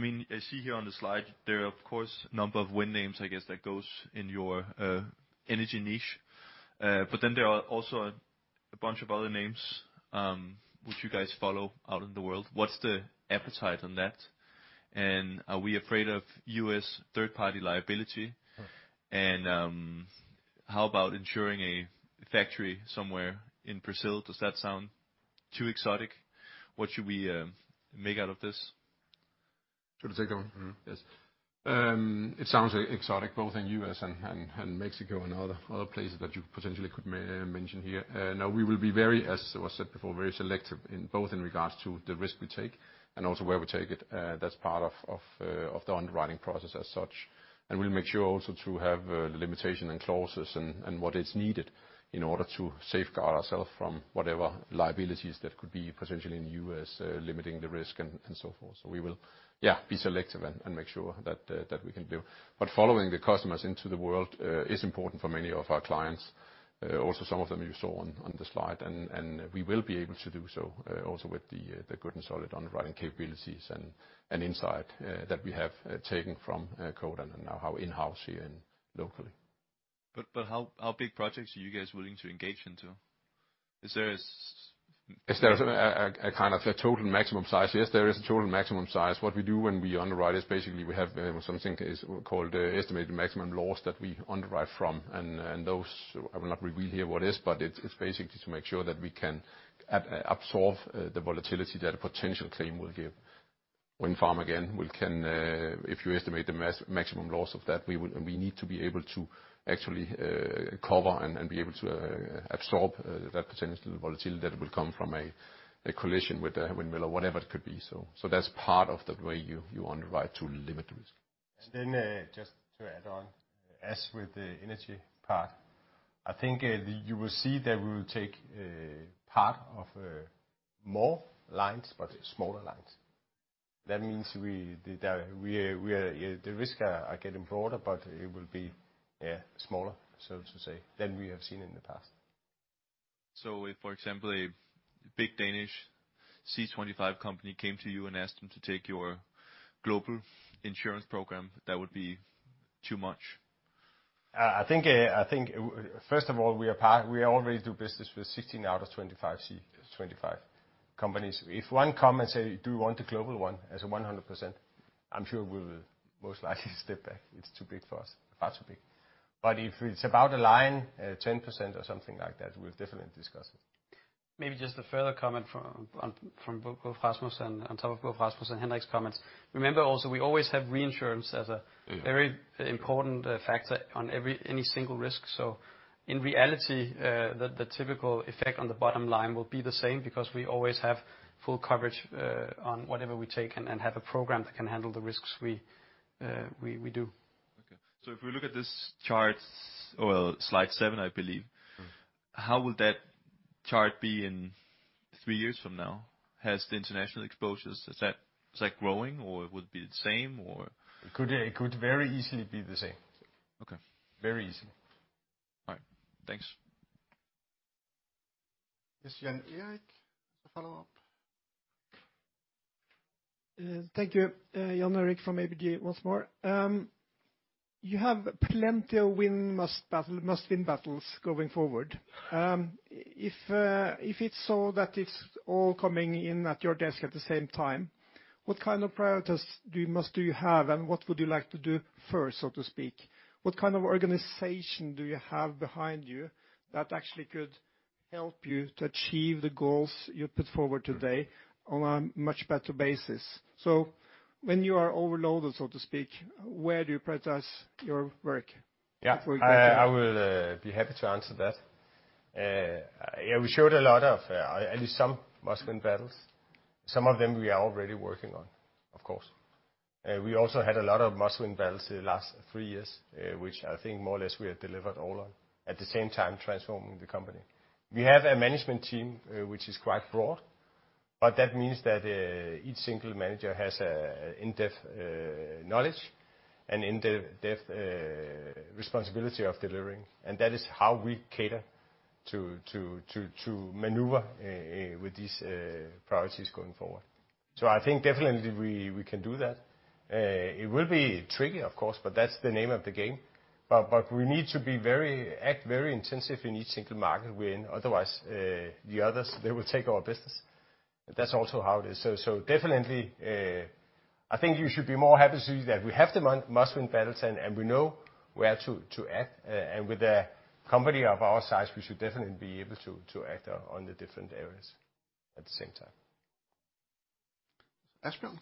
mean, I see here on the slide, there are, of course, number of wind names, I guess, that goes in your energy niche. There are also a bunch of other names which you guys follow out in the world. What's the appetite on that? Are we afraid of U.S. third-party liability? Sure. How about insuring a factory somewhere in Brazil? Does that sound too exotic? What should we make out of this? Should I take that one? Mm-hmm. Yes. It sounds exotic, both in U.S. and Mexico and other places that you potentially could mention here. No, we will be as was said before, very selective in both in regards to the risk we take and also where we take it. That's part of the underwriting process as such. We'll make sure also to have limitation and clauses and what is needed in order to safeguard ourselves from whatever liabilities that could be potentially in U.S., limiting the risk and so forth. We will, yeah, be selective and make sure that we can do. Following the customers into the world is important for many of our clients, also some of them you saw on the slide. We will be able to do so, also with the good and solid underwriting capabilities and insight that we have taken from Codan and now how in-house here and locally. How big projects are you guys willing to engage into? Is there. Is there a kind of a total maximum size? Yes, there is a total maximum size. What we do when we underwrite is basically we have something is called estimated maximum loss that we underwrite from. Those I will not reveal here what it is, but it's basically to make sure that we can absorb the volatility that a potential claim will give. Wind farm, again, we can, if you estimate the maximum loss of that, we need to be able to actually cover and be able to absorb that potential volatility that will come from a collision with the windmill or whatever it could be. That's part of the way you underwrite to limit the risk. Just to add on, as with the energy part, I think, you will see that we will take part of more lines, but smaller lines. That means the risk are getting broader, but it will be, smaller, so to say, than we have seen in the past. If, for example, a big Danish C-25 company came to you and asked them to take your global insurance program, that would be too much? I think first of all, we already do business with 16 out of 25 C-25 companies. If one come and say, do want the global one as a 100%, I'm sure we will most likely step back. It's too big for us, far too big. If it's about a line, 10% or something like that, we'll definitely discuss it. Maybe just a further comment from, on, from both Rasmus and on top of both Rasmus and Henrik's comments. Remember also, we always have reinsurance. Mm. Very important, factor on every, any single risk. In reality, the typical effect on the bottom line will be the same because we always have full coverage, on whatever we take and have a program that can handle the risks we do. If we look at this chart, or slide seven, I believe. Mm. How will that chart be in three years from now? Has the international exposures, is that growing or would it be the same or? It could very easily be the same. Okay. Very easily. All right. Thanks. Yes, Jan Erik, follow up? Thank you. Jan Erik from ABG once more. You have plenty of must win battles going forward. If it's so that it's all coming in at your desk at the same time, what kind of priorities do you have, and what would you like to do first, so to speak? What kind of organization do you have behind you that actually could help you to achieve the goals you put forward today on a much better basis? When you are overloaded, so to speak, where do you prioritize your work for example? Yeah. I will be happy to answer that. Yeah, we showed a lot of at least some must-win battles. Some of them we are already working on, of course. We also had a lot of must-win battles the last three years, which I think more or less we have delivered all on, at the same time transforming the company. We have a management team, which is quite broad, but that means that each single manager has an in-depth knowledge and in-depth responsibility of delivering, and that is how we cater to maneuver with these priorities going forward. I think definitely we can do that. It will be tricky of course, but that's the name of the game. We need to be very... act very intensive in each single market we're in, otherwise, the others, they will take our business. That's also how it is. Definitely, I think you should be more happy to see that we have the must-win battles and we know where to act. With a company of our size, we should definitely be able to act on the different areas at the same time. Asbjørn?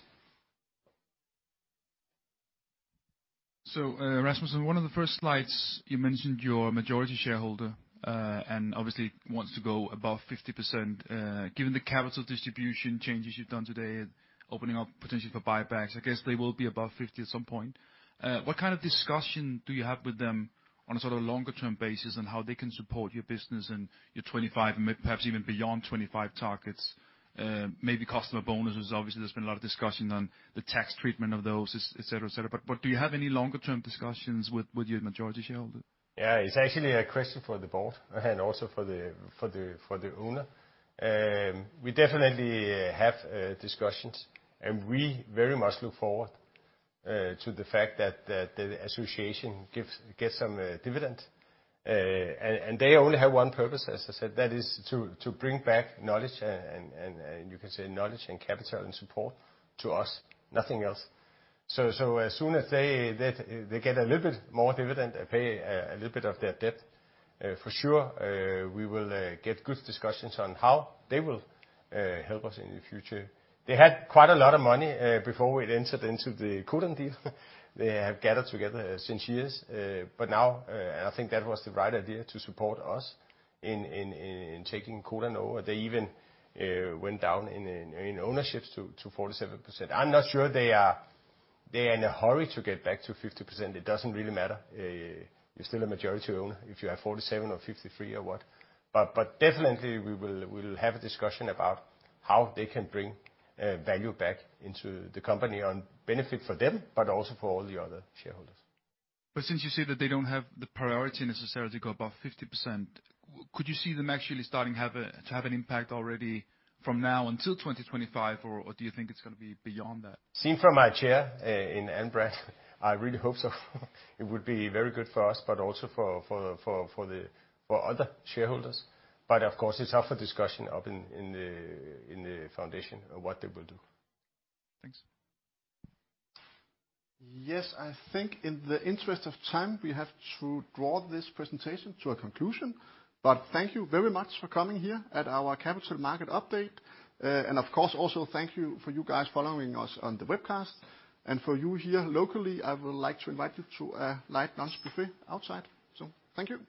Rasmus, on one of the first slides you mentioned your majority shareholder, and obviously wants to go above 50%. Given the capital distribution changes you've done today, opening up potentially for buybacks, I guess they will be above 50 at some point. What kind of discussion do you have with them on a sort of longer term basis on how they can support your business and your 2025, and perhaps even beyond 2025 targets? Maybe customer bonuses, obviously there's been a lot of discussion on the tax treatment of those, et cetera, et cetera. But do you have any longer term discussions with your majority shareholder? It's actually a question for the board and also for the owner. We definitely have discussions, and we very much look forward to the fact that the association gets some dividend. They only have one purpose, as I said, that is to bring back knowledge and you can say knowledge and capital and support to us, nothing else. As soon as they get a little bit more dividend and pay a little bit of their debt, for sure, we will get good discussions on how they will help us in the future. They had quite a lot of money before we entered into the Codan deal. They have gathered together since years. Now, I think that was the right idea to support us in taking Codan over. They even went down in ownership to 47%. I'm not sure they are in a hurry to get back to 50%. It doesn't really matter. You're still a majority owner if you have 47 or 53 or what. Definitely we will have a discussion about how they can bring value back into the company on benefit for them, but also for all the other shareholders. Since you say that they don't have the priority necessarily to go above 50%, could you see them actually starting to have an impact already from now until 2025? Or do you think it's gonna be beyond that? Seen from my chair, in Brand, I really hope so. It would be very good for us, but also for other shareholders. Of course it's up for discussion up in the, in the foundation of what they will do. Thanks. Yes. I think in the interest of time, we have to draw this presentation to a conclusion. Thank you very much for coming here at our capital market update. Of course, also thank you for you guys following us on the webcast. For you here locally, I would like to invite you to a light lunch buffet outside. Thank you.